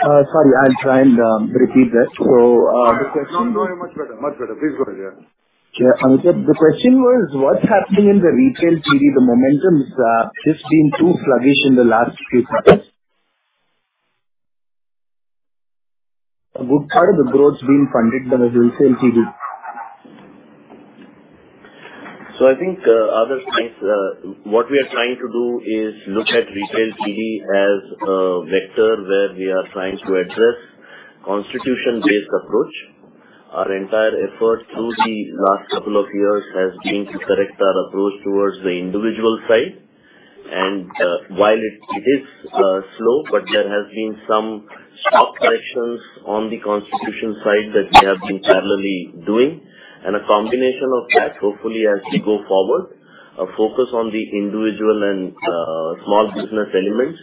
F: Sorry, I'll try and repeat that. The question-
B: Now it's sounding much better. Much better. Please go ahead.
F: Yeah. Amitabh Chaudhry, the question was what's happening in the retail TV? The momentum's just been too sluggish in the last few quarters. A good part of the growth is being funded by the retail TV.
G: I think, Adarsh, nice. What we are trying to do is look at retail TV as a vector where we are trying to address constituency-based approach. Our entire effort through the last couple of years has been to correct our approach towards the individual side. While it is slow, but there has been some structural corrections on the constituency side that we have been parallelly doing. A combination of that, hopefully as we go forward, a focus on the individual and small business elements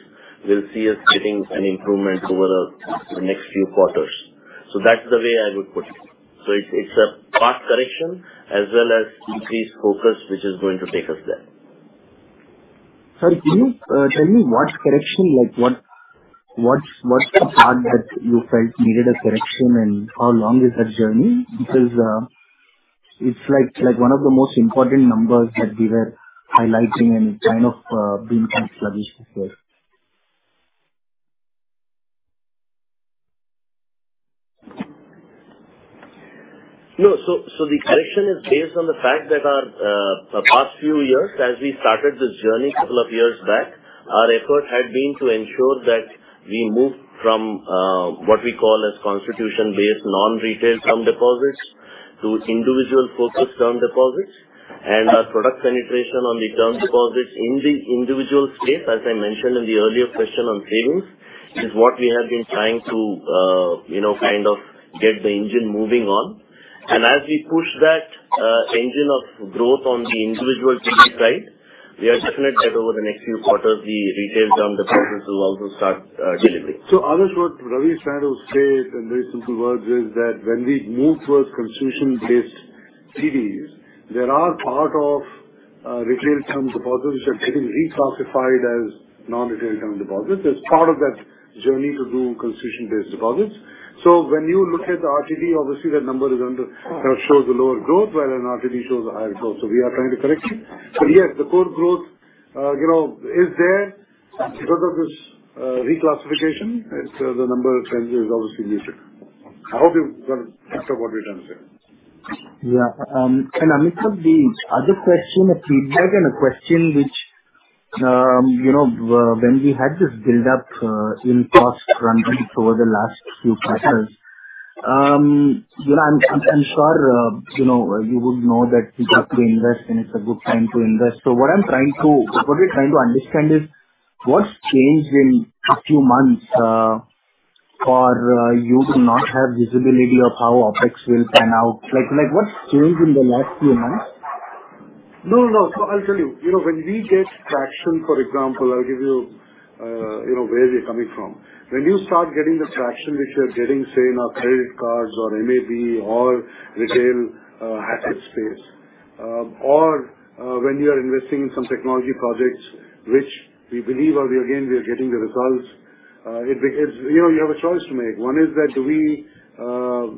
G: will see us getting an improvement over the next few quarters. That's the way I would put it. It's a path correction as well as increased focus, which is going to take us there.
F: Sir, can you tell me what correction, like what's the part that you felt needed a correction and how long is that journey? Because it's like one of the most important numbers that we were highlighting and it's kind of been kind of sluggish this year.
G: No. The correction is based on the fact that over the past few years, as we started this journey a couple of years back, our effort had been to ensure that we moved from what we call as institution-based non-retail term deposits to individual-focused term deposits. Our product penetration on the term deposits in the individual space, as I mentioned in the earlier question on savings, is what we have been trying to, you know, kind of get the engine moving on. As we push that engine of growth on the individual TD side, we definitely are that over the next few quarters the retail term deposits will also start delivering.
B: Adarsh, what Ravi's trying to say in very simple words is that when we move towards constitution-based TDs, there are part of retail term deposits which are getting reclassified as non-retail term deposits. It's part of that journey to do constitution-based deposits. When you look at the RTD, obviously that number shows a lower growth, whereas the RTD shows a higher growth. We are trying to correct it. Yes, the core growth, you know, is there because of this reclassification. It's the number change is obviously needed. I hope you got most of what we're trying to say.
F: Amitabh Chaudhry, the other question, a feedback and a question which, you know, when we had this build-up in cost rundown over the last few quarters, you know, I'm sure, you know, you would know that we have to invest and it's a good time to invest. What we're trying to understand is what's changed in a few months for you to not have visibility of how OpEx will pan out? Like, what's changed in the last few months?
B: No, no. I'll tell you. You know, when we get traction, for example, I'll give you know, where we're coming from. When you start getting the traction which you're getting, say, in our credit cards or MAB or retail asset space, or when you are investing in some technology projects which we believe or, again, we are getting the results, it's, you know, you have a choice to make. One is that do we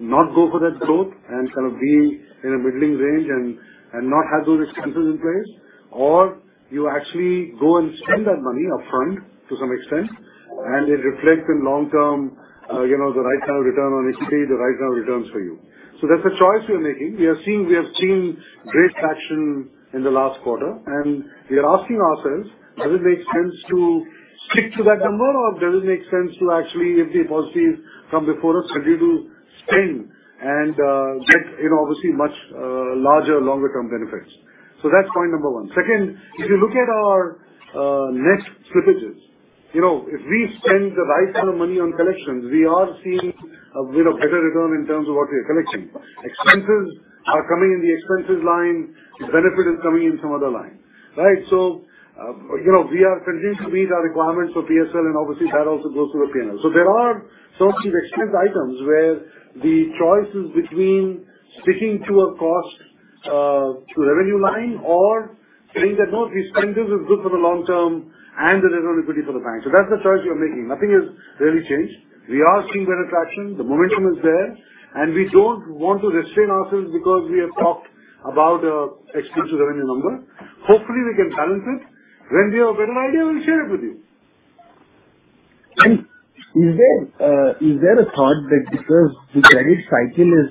B: not go for that growth and kind of be in a middling range and not have those expenses in place, or you actually go and spend that money upfront to some extent, and it reflects in long-term, you know, the right kind of return on equity, the right kind of returns for you. That's the choice we are making. We are seeing. We have seen great traction in the last quarter, and we are asking ourselves, does it make sense to stick to that number or does it make sense to actually, if the opportunities come before us, should we do spend and get, you know, obviously much larger longer-term benefits? That's point number one. Second, if you look at our next slippages, you know, if we spend the right kind of money on collections, we are seeing a, you know, better return in terms of what we are collecting. Expenses are coming in the expenses line. Benefit is coming in some other line, right? We are continuing to meet our requirements for PSL, and obviously that also goes to the P&L. There are some of these expense items where the choice is between sticking to a cost to revenue line or saying that, "No, these expenses is good for the long term and the return on equity for the bank." That's the choice we are making. Nothing has really changed. We are seeing better traction. The momentum is there, and we don't want to restrain ourselves because we have talked about expense to revenue number. Hopefully, we can balance it. When we have a better idea, we'll share it with you.
F: Is there a thought that because the credit cycle is,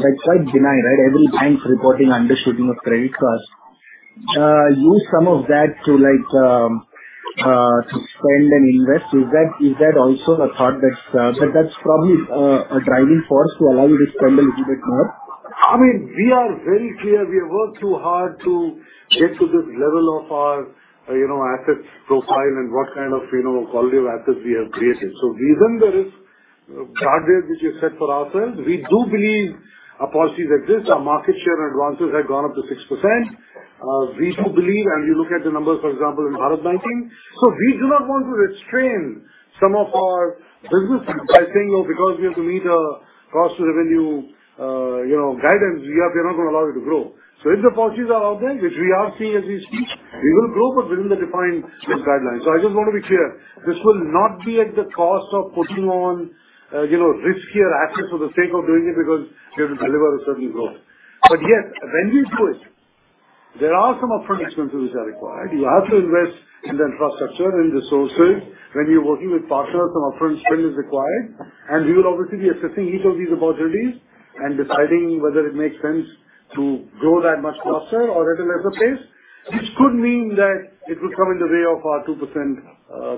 F: like, quite benign, right? Every bank's reporting undershooting of credit costs. Use some of that to, like, to spend and invest. Is that also the thought that's. But that's probably a driving force to allow you to spend a little bit more.
B: I mean, we are very clear. We have worked too hard to get to this level of our, you know, assets profile and what kind of, you know, quality of assets we have created. Given the risk targets which we have set for ourselves, we do believe our policies exist. Our market share and advances have gone up to 6%. We do believe and you look at the numbers, for example, in Bharat Banking. We do not want to restrain some of our businesses by saying, "Oh, because we have to meet our cost to revenue, you know, guidance, we are not gonna allow it to grow." If the policies are out there, which we are seeing as we speak, we will grow but within the defined guidelines. I just want to be clear, this will not be at the cost of putting on riskier assets for the sake of doing it because we have to deliver a certain growth. Yes, when we do it, there are some upfront expenses which are required. You have to invest in the infrastructure, in resources. When you're working with partners, some upfront spend is required, and we will obviously be assessing each of these opportunities and deciding whether it makes sense to grow that much faster or at a lesser pace. This could mean that it will come in the way of our 2%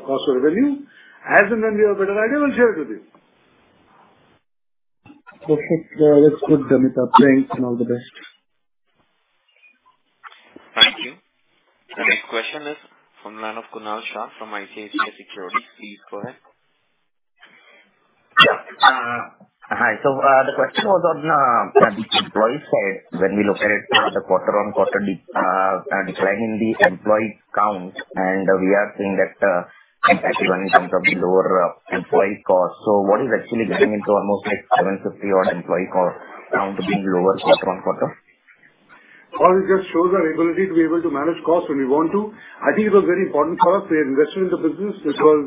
B: cost to revenue. As and when we have a better idea, we'll share it with you.
C: Okay. That's good, Amitabh. Thanks and all the best.
A: Thank you. The next question is from the line of Kunal Shah from ICICI Securities. Please go ahead.
H: The question was on the employee side. When we look at it, the quarter-on-quarter decline in the employee count, and we are seeing that impact even in terms of the lower employee costs. What is actually getting into almost like 750 employee cost down to being lower quarter-on-quarter?
B: Well, it just shows our ability to be able to manage costs when we want to. I think it was very important for us. We had invested in the business, which was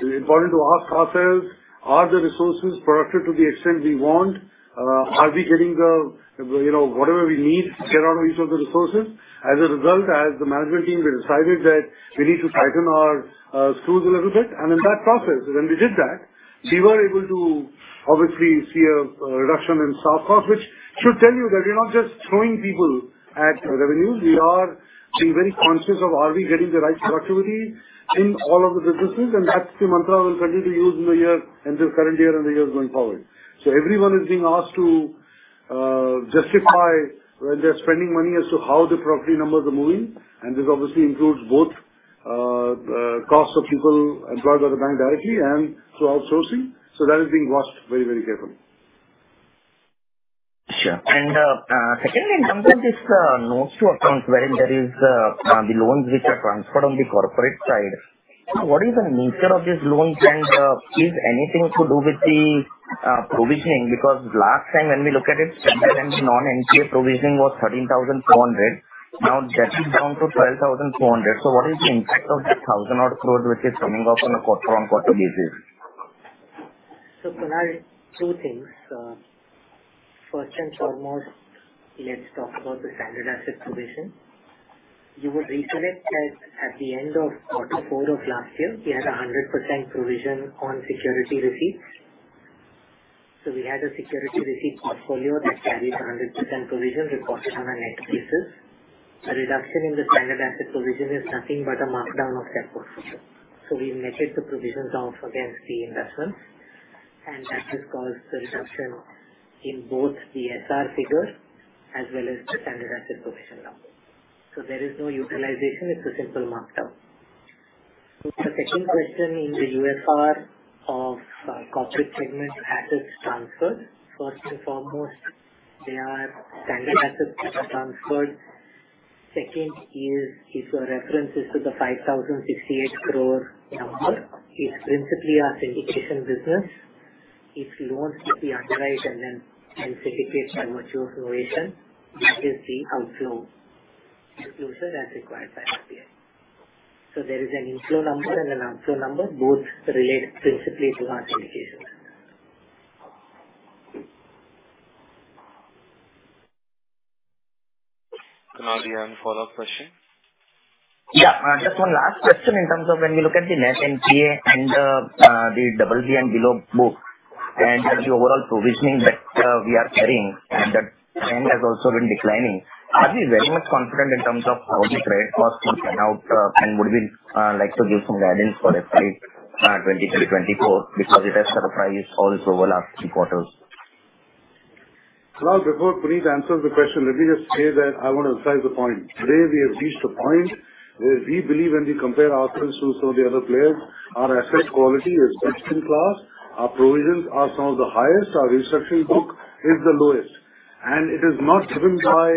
B: important to ask ourselves, are the resources productive to the extent we want? Are we getting the, you know, whatever we need to get out of each of the resources? As a result, as the management team, we decided that we need to tighten our screws a little bit. In that process, when we did that, we were able to obviously see a reduction in staff costs, which should tell you that we're not just throwing people at revenues. We are being very conscious of are we getting the right productivity in all of the businesses, and that's the mantra we'll continue to use in the year, in this current year and the years going forward. Everyone is being asked to justify when they're spending money as to how the profitability numbers are moving. This obviously includes both costs of people employed by the bank directly and through outsourcing. That is being watched very, very carefully.
H: Sure. Secondly, in terms of this notes to accounts, where there is the loans which are transferred on the corporate side, what is the nature of these loans, and is anything to do with the provisioning? Because last time when we look at it, standard and non-NPA provisioning was 13,400 crore. Now that is down to 12,400 crore. What is the impact of that 1,000-odd crore which is coming off on a quarter-on-quarter basis?
C: Kunal, two things. First and foremost, let's talk about the standard asset provision. You would recollect that at the end of quarter four of last year, we had 100% provision on security receipts. We had a security receipt portfolio that carries 100% provision reported on a net basis. A reduction in the standard asset provision is nothing but a markdown of that portfolio. We've netted the provision down against the investments, and that has caused the reduction in both the SR figures as well as the standard asset provision number. There is no utilization. It's a simple markdown. The second question in the UFR of corporate segment assets transfer. First and foremost, they are standard assets that are transferred. Second is, if your reference is to the 5,068 crore number, it's principally our syndication business. It's loans which we underwrite and then syndicate by virtue of innovation. That is the outflow disclosure as required by RBI. There is an inflow number and an outflow number, both related principally to our syndications.
A: Kunal, do you have any follow-up question?
H: Yeah. Just one last question in terms of when we look at the net NPA and the double B and below books and the overall provisioning that we are carrying and that trend has also been declining. Are we very much confident in terms of how the credit costs will pan out and would we like to give some guidance for FY 2023-2024 because it has surprised all its overlap quarters?
B: Kunal, before Puneet answers the question, let me just say that I wanna emphasize the point. Today we have reached a point where we believe when we compare ourselves to some of the other players, our asset quality is best in class, our provisions are some of the highest, our investment book is the lowest. It is not driven by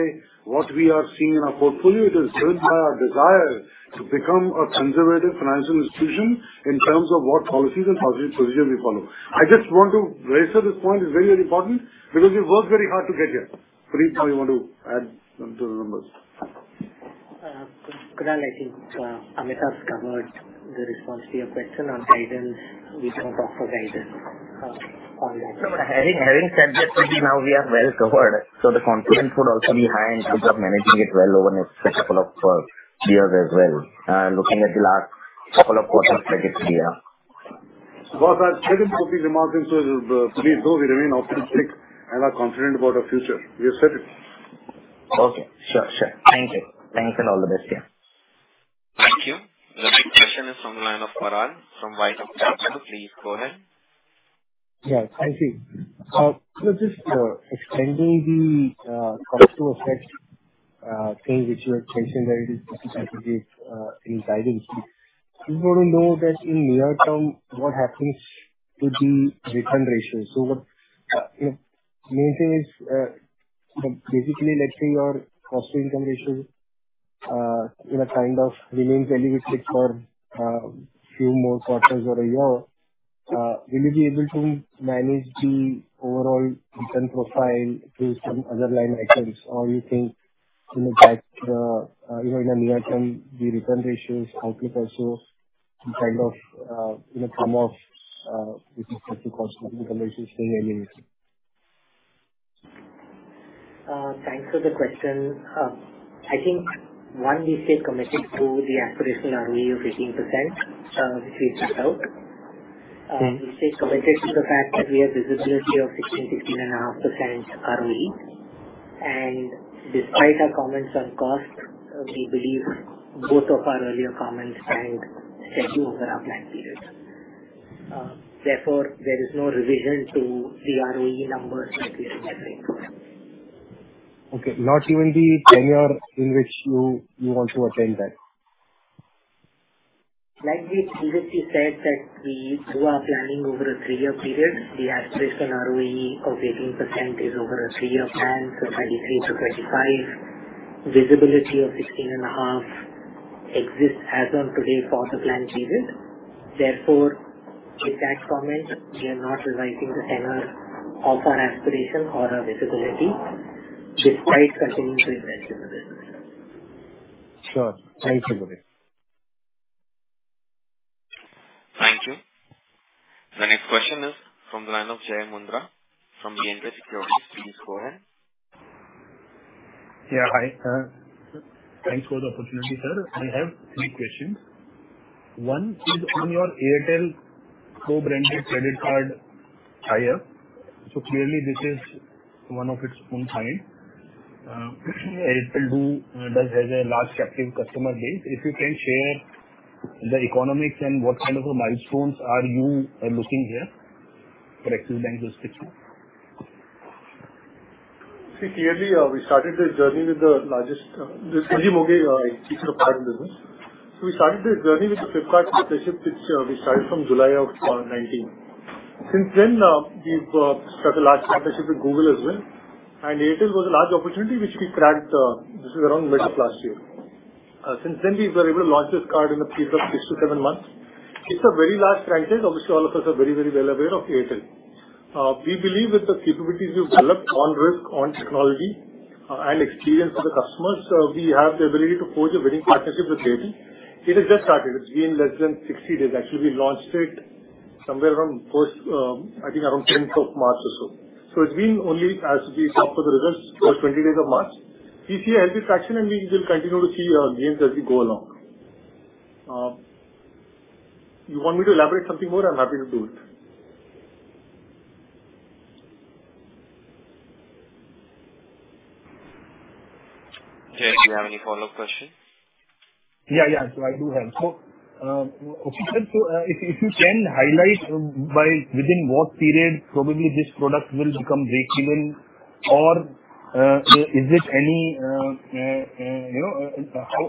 B: what we are seeing in our portfolio. It is driven by our desire to become a conservative financial institution in terms of what policies and procedure we follow. I just want to raise that this point is very, very important because we worked very hard to get here. Puneet, now you want to add to the numbers.
C: Kunal, I think Amitabh has covered the response to your question. On guidance, we don't offer guidance on that.
H: No, having said that, maybe now we are well covered, so the confidence would also be high in terms of managing it well over next couple of years as well, looking at the last couple of quarters particularly. Yeah.
B: Boss, I've said it for these remarks and so does Puneet too. We remain optimistic and are confident about our future. We have said it.
H: Okay. Sure. Thank you. Thanks and all the best. Yeah.
A: Thank you. The next question is from the line of Farhan from IIFL Capital. Please go ahead.
I: Yeah, thank you. Just extending the cost-to-income thing which you had mentioned earlier in the guidance. We want to know that in near term, what happens to the return ratio. The you know, main thing is basically letting your cost income ratio you know, kind of remains elevated for few more quarters or a year. Will you be able to manage the overall return profile through some other line items? Or you think in the backdrop you know, in the near term, the return ratios outlook also some kind of you know, come off with respect to cost income ratio staying elevated?
C: Thanks for the question. I think, one, we stay committed to the aspirational ROE of 18%, which we set out. We stay committed to the fact that we have visibility of 16%-16.5% ROE. Despite our comments on cost, we believe both of our earlier comments stand steady over our plan period. Therefore, there is no revision to the ROE numbers that we are suggesting.
I: Okay. Not even the tenure in which you want to attain that.
C: Like we previously said that we do our planning over a 3-year period. The aspiration ROE of 18% is over a 3-year plan, so 2023-2025. Visibility of 16.5 exists as of today for the plan period. Therefore, with that comment, we are not revising the tenor of our aspiration or our visibility despite continuing to invest in the business.
I: Sure. Thanks for that.
A: Thank you. The next question is from the line of Jaya Mundra from Axis Securities. Please go ahead.
J: Yeah, hi. Thanks for the opportunity, sir. I have three questions. One is on your Airtel co-branded credit card tie-up. Clearly this is one of its own kind. Airtel does have a large captive customer base. If you can share the economics and what kind of a milestones are you looking here for Axis Bank specifically?
K: See, clearly, we started this journey. This is Sanjeev Moghe, chief of card business. We started this journey with the Flipkart partnership, which we started from July of 2019. Since then, we've struck a large partnership with Google as well. Airtel was a large opportunity which we cracked, this is around mid of last year. Since then, we were able to launch this card in a period of 6-7 months. It's a very large franchise. Obviously, all of us are very, very well aware of Airtel. We believe with the capabilities we've developed on risk, on technology, and experience with the customers, we have the ability to forge a winning partnership with Airtel. It has just started. It's been less than 60 days. Actually, we launched it somewhere around first, I think around 10th of March or so. It's been only as we talk for the results for 20 days of March. We see healthy traction, and we will continue to see gains as we go along. You want me to elaborate something more? I'm happy to do it.
A: Jaya, do you have any follow-up question?
J: Okay, sir. If you can highlight by within what period probably this product will become breakeven or you know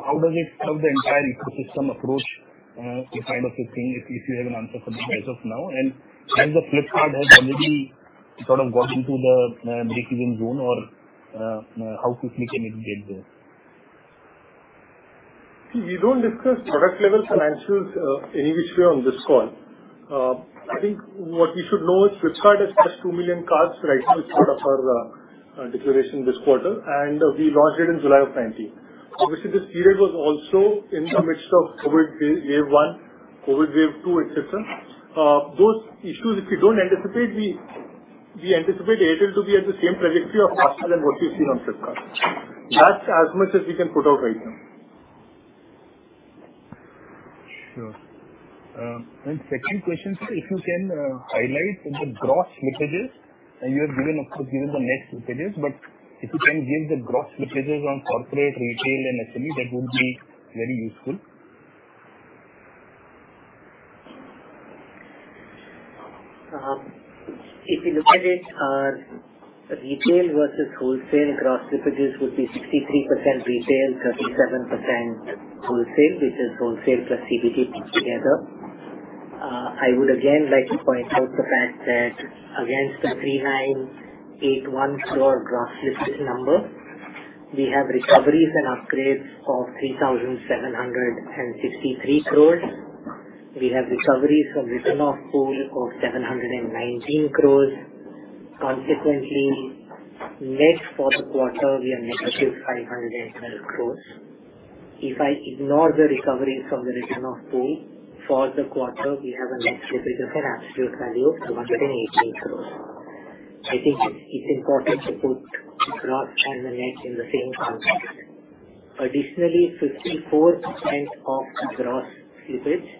J: how does it help the entire ecosystem approach to kind of this thing if you have an answer for me as of now. Has Flipkart already sort of got into the breakeven zone or how quickly can it get there?
K: We don't discuss product-level financials any which way on this call. I think what we should know is Flipkart has crossed 2 million cards right now as part of our issuance this quarter, and we launched it in July of 2019. Obviously, this period was also in the midst of COVID wave one, COVID wave two, et cetera. Those issues if we don't anticipate, we anticipate Airtel to be at the same trajectory as normal and what we've seen on Flipkart. That's as much as we can put out right now.
J: Sure. Second question, sir, if you can highlight the gross slippages. You have given, of course, the net slippages, but if you can give the gross slippages on corporate, retail, and SME, that would be very useful.
C: If you look at it, our retail versus wholesale gross slippages would be 63% retail, 37% wholesale, which is wholesale plus CBG put together. I would again like to point out the fact that against the 3,981 crore gross slippage number, we have recoveries and upgrades of 3,763 crore. We have recoveries from written-off pool of 719 crore. Consequently, net for the quarter, we are -512 crore. If I ignore the recoveries from the written-off pool, for the quarter, we have a net slippage of an absolute value of 718 crore. I think it's important to put gross and the net in the same context. Additionally, 54% of gross slippage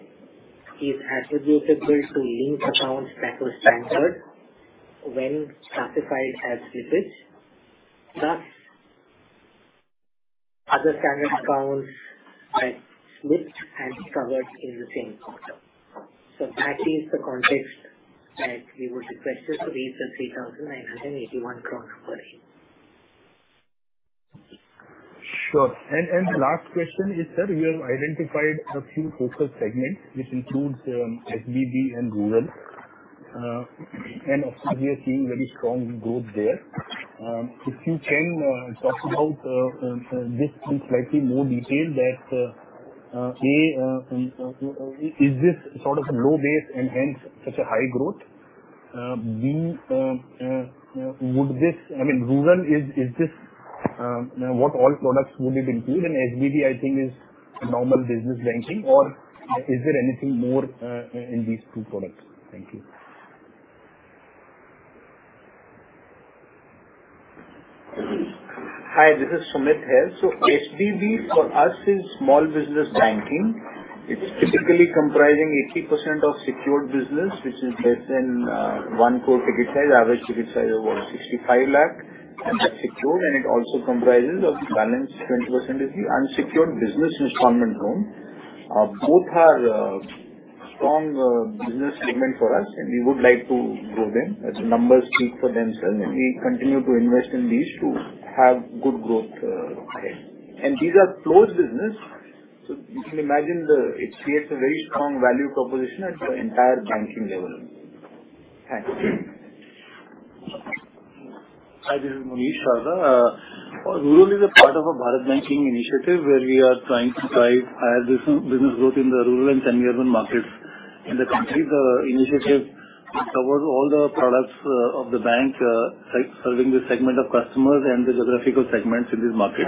C: is attributable to linked accounts that were standard when classified as slippage, plus other standard accounts that slipped and recovered in the same quarter. That is the context that we would request this to be the 3,981 crores for you.
J: Sure. The last question is, sir, you have identified a few focus segments which includes SBB and rural. Obviously we are seeing very strong growth there. If you can talk about this in slightly more detail, that A, is this sort of a low base and hence such a high growth? B, would this? I mean rural is this what all products would it include? SBB, I think is normal business banking or is there anything more in these two products? Thank you.
F: Hi, this is Sumit here. SBB for us is small business banking. It's typically comprising 80% of secured business, which is less than 1 crore ticket size. Average ticket size is about 65 lakh and that's secured. It also comprises of balance. 20% is the unsecured business installment loan. Both are strong business segment for us, and we would like to grow them as the numbers speak for themselves. We continue to invest in these to have good growth ahead. These are closed business, so you can imagine. It creates a very strong value proposition at the entire banking level. Thanks.
L: Hi, this is Munish Sharda. Rural is a part of a Bharat Banking initiative where we are trying to drive higher business growth in the rural and semi-urban markets in the country. The initiative covers all the products of the bank serving the segment of customers and the geographical segments in this market.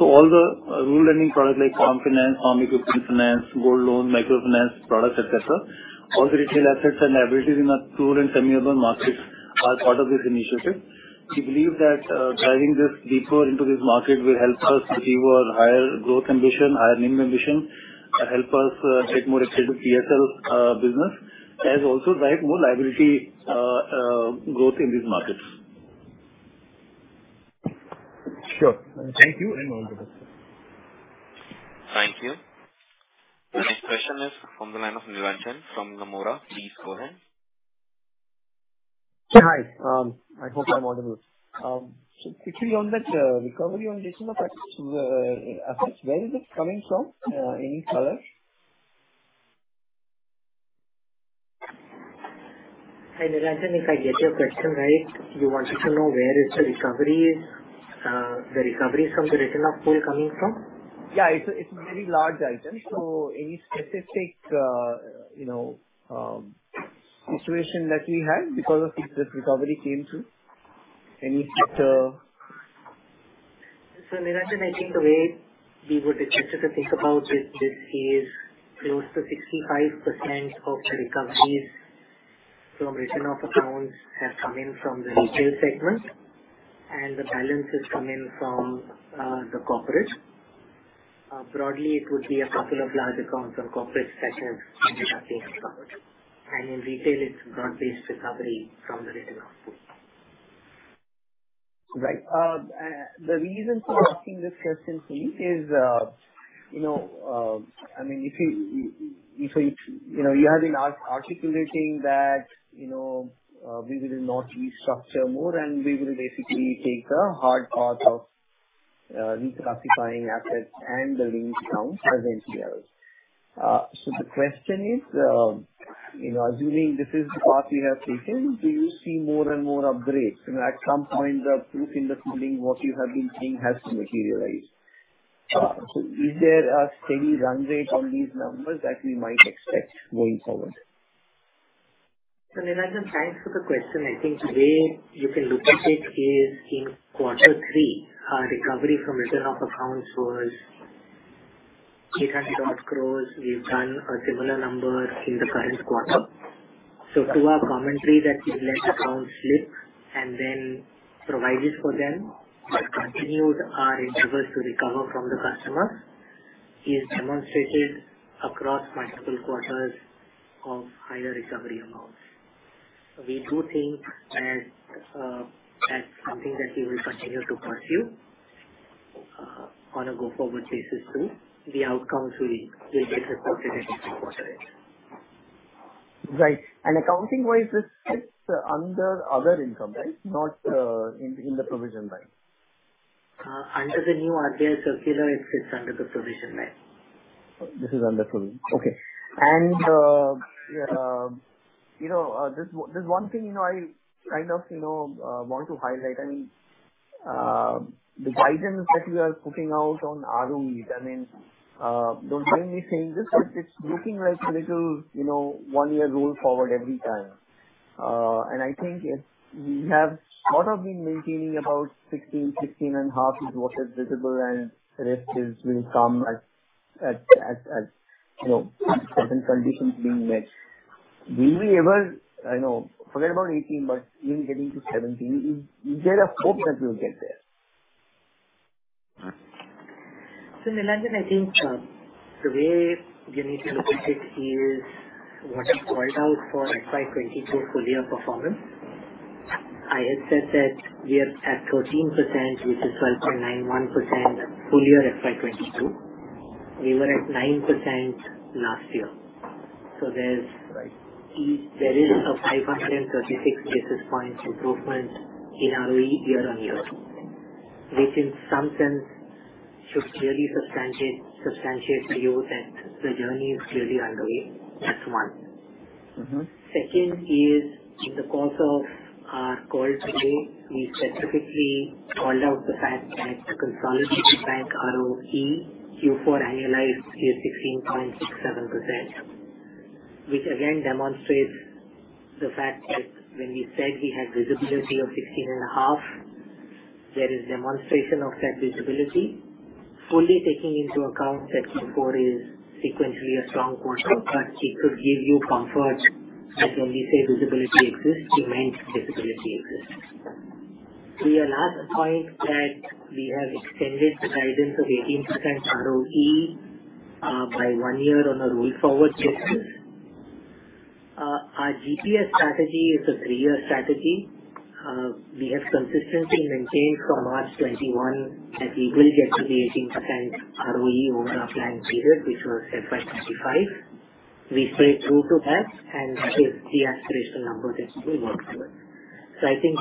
L: All the rural lending products like farm finance, farm equipment finance, gold loan, microfinance products, etc. All the retail assets and liabilities in our rural and semi-urban markets are part of this initiative. We believe that driving this deeper into this market will help us achieve our higher growth ambition, higher NIM ambition, help us get more accretive PSL business, as also drive more liability growth in these markets.
J: Sure. Thank you. All the best.
A: Thank you. The next question is from the line of Nilanjan from Nomura. Please go ahead.
M: Hi. I hope I'm audible. Quickly on that, recovery on the assets, where is it coming from? Any color?
C: Hi, Nilanjan. If I get your question right, you wanted to know where is the recovery from the return of pool coming from?
M: Yeah. It's a very large item. Any specific, you know, situation that we had because of which this recovery came through? Any sector?
C: Nilanjan, I think the way we would actually think about this is close to 65% of the recoveries from return of accounts have come in from the retail segment and the balance is coming from the corporate. Broadly, it would be a couple of large accounts on corporate side have been recovered. In retail it's broad-based recovery from the return of pool.
M: Right. The reason for asking this question to you is, you know, I mean, if you know, you have been articulating that, you know, we will not restructure more and we will basically take a hard path of reclassifying assets and building accounts as NPL. The question is, you know, assuming this is the path you have taken, do you see more and more upgrades? You know, at some point the proof in the pudding, what you have been saying has to materialize. Is there a steady run rate on these numbers that we might expect going forward?
C: Nilanjan, thanks for the question. I think the way you can look at it is in quarter three, our recovery from return of accounts was 800 odd crores. We've done a similar number in the current quarter. To our commentary that we let accounts slip and then provide this for them, but continued our endeavors to recover from the customer is demonstrated across multiple quarters of higher recovery amounts. We do think as something that we will continue to pursue on a go-forward basis too. The outcomes will get reflected in future quarters.
M: Right. Accounting-wise, this sits under other income, right? Not in the provisioning.
C: Under the new RBI circular, it sits under the provision bank.
M: This is under provision. Okay. You know, I kind of, you know, want to highlight. I mean, the guidance that you are putting out on AUM, I mean, don't mind me saying this, but it's looking like a little, you know, one-year roll forward every time. I think we have sort of been maintaining about 16.5% is what is visible and rest will come at, you know, certain conditions being met. Will we ever, I know, forget about 18%, but even getting to 17%, is there a hope that we'll get there?
C: Nilanjan, I think, the way you need to look at it is what is called out for FY 2022 full year performance. I had said that we are at 13%, which is 12.91% full year FY 2022. We were at 9% last year. There's
M: Right.
C: There is a 536 basis point improvement in ROE year-on-year, which in some sense should clearly substantiate to you that the journey is clearly underway. That's one.
M: Mm-hmm.
C: Second is in the course of our call today, we specifically called out the fact that the consolidated bank ROE Q4 annualized is 16.67%. Which again demonstrates the fact that when we said we had visibility of 16.5%, there is demonstration of that visibility fully taking into account that Q4 is sequentially a strong quarter, but it should give you comfort that when we say visibility exists, we meant visibility exists. To your last point that we have extended the guidance of 18% ROE by one year on a roll-forward basis. Our GPS strategy is a three-year strategy. We have consistently maintained from March 2021 that we will get to the 18% ROE over our planned period, which was FY 2025. We stay true to that, and that is the aspirational number that we work towards. I think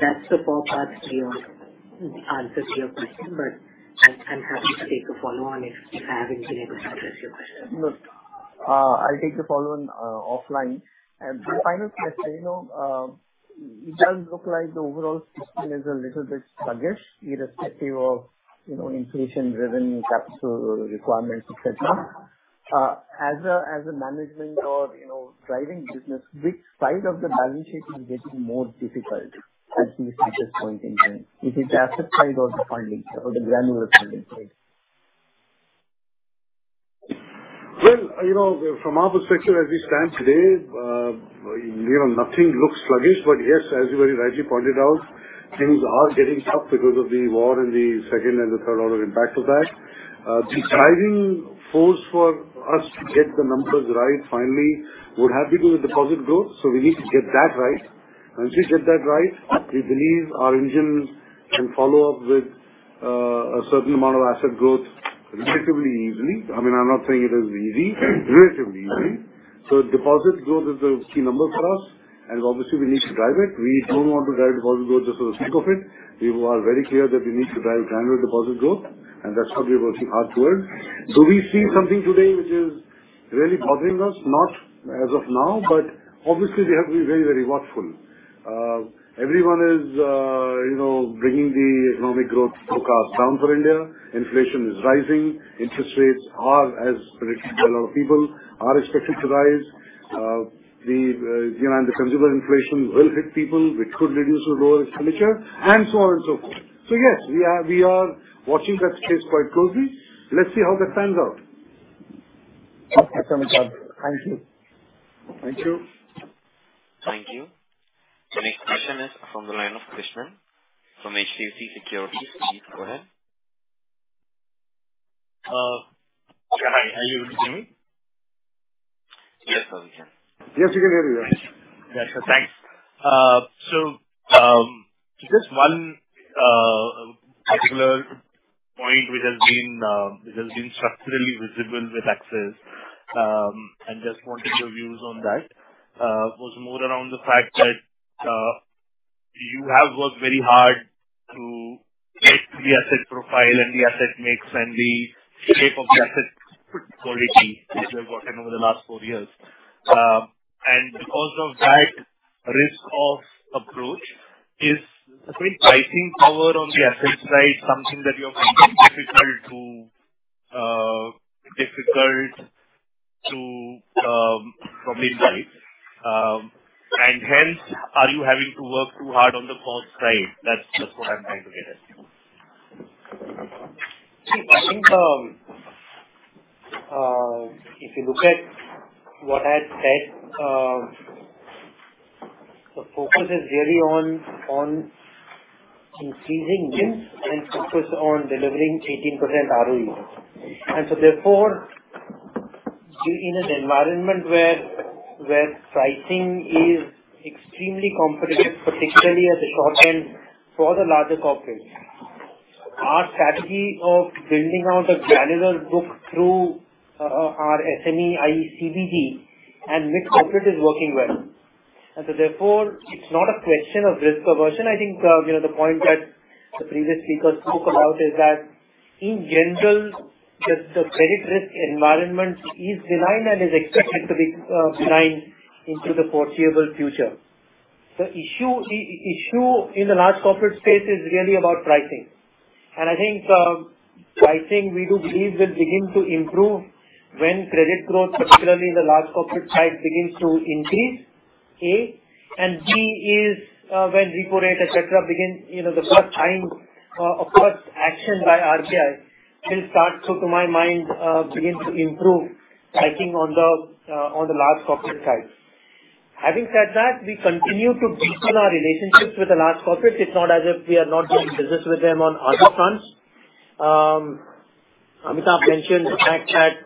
C: that's the four parts to your answers to your question, but I'm happy to take a follow on if I haven't been able to address your question.
M: No. I'll take a follow on offline. Final question, you know, it does look like the overall system is a little bit sluggish irrespective of, you know, inflation-driven capital requirements, et cetera. As a management or, you know, driving business, which side of the balance sheet is getting more difficult as we speak this point in time? Is it the asset side or the funding or the granular funding side?
B: Well, you know, from our perspective, as we stand today, you know, nothing looks sluggish. Yes, as you very rightly pointed out, things are getting tough because of the war and the second and the third order impact of that. The driving force for us to get the numbers right finally would have to do with deposit growth, so we need to get that right. Once we get that right, we believe our engines can follow up with a certain amount of asset growth relatively easily. I mean, I'm not saying it is easy, relatively easy. Deposit growth is the key number for us, and obviously we need to drive it. We don't want to drive deposit growth just for the sake of it. We are very clear that we need to drive granular deposit growth, and that's what we're working hard toward. Do we see something today which is really bothering us? Not as of now, but obviously we have to be very, very watchful. Everyone is, you know, bringing the economic growth forecast down for India. Inflation is rising. Interest rates are, as predicted by a lot of people, expected to rise. The, you know, and the consumer inflation will hit people, which could reduce the loan expenditure and so on and so forth. Yes, we are watching that space quite closely. Let's see how that pans out.
M: Okay. Sounds good. Thank you.
B: Thank you.
A: Thank you. The next question is from the line of Krishnan from HDFC Securities. Please go ahead.
N: Hi. Are you able to hear me?
A: Yes, sir, we can.
B: Yes, we can hear you. Yes.
N: Thanks. Just one particular point which has been structurally visible with Axis, and just wanted your views on that. Was more around the fact that you have worked very hard to get the asset profile and the asset mix and the shape of the asset quality which you have gotten over the last four years. Because of that risk-averse approach is, I think, pricing power on the asset side something that you're finding difficult to transmit. Hence are you having to work too hard on the cost side? That's what I'm trying to get at.
C: I think if you look at what I said, the focus is really on increasing NIMs and focus on delivering 18% ROE. In an environment where pricing is extremely competitive, particularly at the short end for the larger corporates, our strategy of building out a granular book through our SME, i.e., CBG and mid-corporate is working well. It's not a question of risk aversion. I think you know, the point that the previous speaker spoke about is that in general, just the credit risk environment is benign and is expected to be benign into the foreseeable future. The issue in the large corporate space is really about pricing. I think pricing we do believe will begin to improve when credit growth, particularly in the large corporate side, begins to increase. B is when repo rate, et cetera, begin. You know, the first time a first action by RBI will start to my mind begin to improve pricing on the large corporate side.
K: Having said that, we continue to deepen our relationships with the large corporates. It's not as if we are not doing business with them on other fronts. Amitabh mentioned the fact that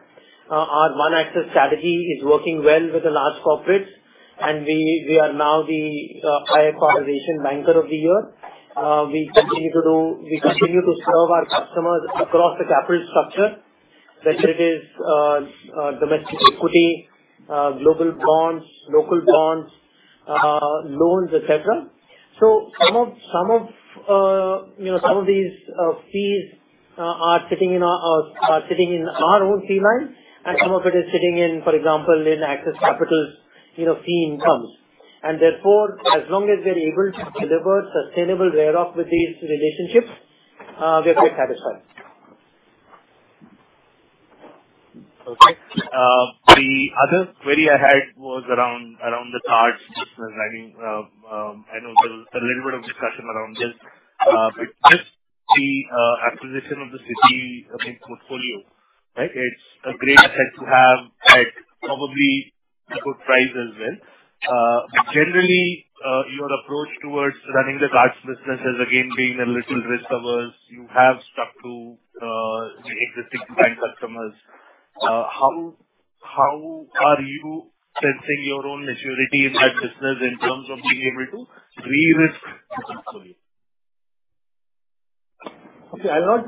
K: our One Axis strategy is working well with the large corporates, and we are now the IFR Asia Asian Bank of the Year. We continue to serve our customers across the capital structure, whether it is domestic equity, global bonds, local bonds, loans, et cetera. Some of you know some of these fees are sitting in our own fee line and some of it is sitting in, for example, in Axis Capital, you know, fee incomes. As long as we are able to deliver sustainable growth with these relationships, we are quite satisfied.
N: Okay. The other query I had was around the cards business. I mean, I know there was a little bit of discussion around this. With just the acquisition of the Citi portfolio, right? It's a great asset to have at probably a good price as well. Generally, your approach towards running the cards business is again being a little risk-averse. You have stuck to the existing bank customers. How are you sensing your own maturity in that business in terms of being able to re-risk the portfolio?
K: See, I'll not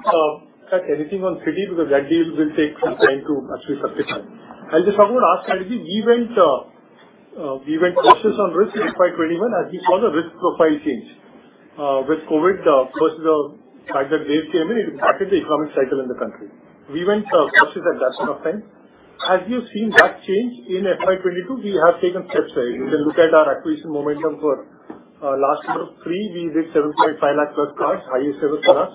K: touch anything on Citi because that deal will take some time to actually substantiate. I'll just talk about our strategy. We went cautious on risk in FY 2021 as we saw the risk profile change. With COVID, first the first wave came in, it impacted the economic cycle in the country. We went cautious at that point of time. As you've seen that change in FY 2022, we have taken steps, right? You can look at our acquisition momentum for last quarter three, we did 7.5 lakh plus cards, highest ever for us.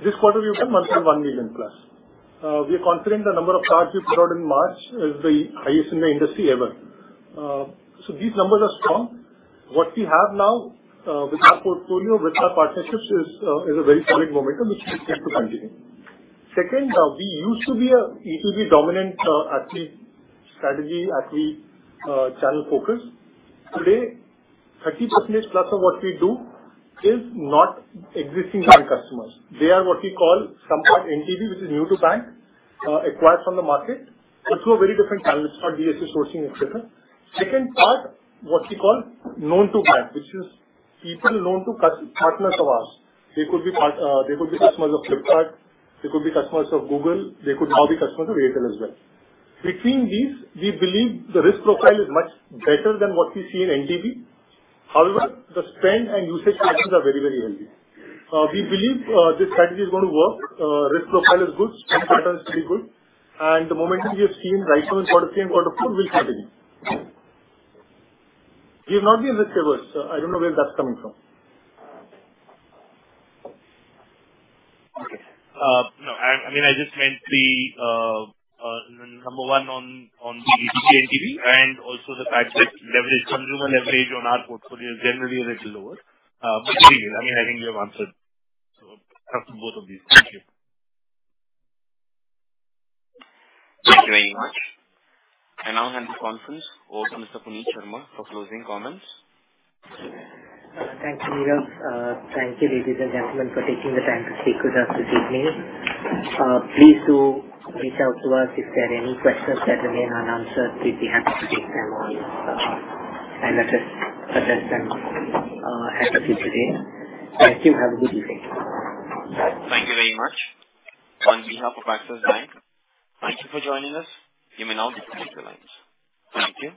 K: This quarter we've done monthly one million plus. We are confident the number of cards we put out in March is the highest in the industry ever. So these numbers are strong. What we have now, with our portfolio, with our partnerships is a very solid momentum which we expect to continue. Second, we used to be a B2B dominant, actually strategy, channel focus. Today, 30%+ of what we do is not existing bank customers. They are what we call some part NTB, which is new to bank, acquired from the market, but through a very different channel. It's not DSA sourcing, et cetera. Second part, what we call known to bank, which is people known to customer partners of ours. They could be, they could be customers of Flipkart, they could be customers of Google, they could now be customers of Airtel as well. Between these, we believe the risk profile is much better than what we see in NTB. However, the spend and usage patterns are very, very healthy. We believe this strategy is gonna work. Risk profile is good, spend pattern is pretty good, and the momentum we have seen right from quarter three and quarter four will continue. We have not been risk-averse. I don't know where that's coming from.
N: Okay. No, I mean, I just meant the number one on the NTB and also the fact that leverage, consumer leverage on our portfolio generally is a little lower. But anyway, I mean, I think you have answered, so both of these. Thank you.
A: Thank you very much. I now hand the conference over to Mr. Puneet Sharma for closing comments.
C: Thanks, Nirav. Thank you, ladies and gentlemen, for taking the time to speak with us this evening. Please do reach out to us if there are any questions that remain unanswered. We'd be happy to take them on, and let us address them happily today. Thank you. Have a good evening.
A: Thank you very much. On behalf of Axis Bank, thank you for joining us. You may now disconnect your lines. Thank you.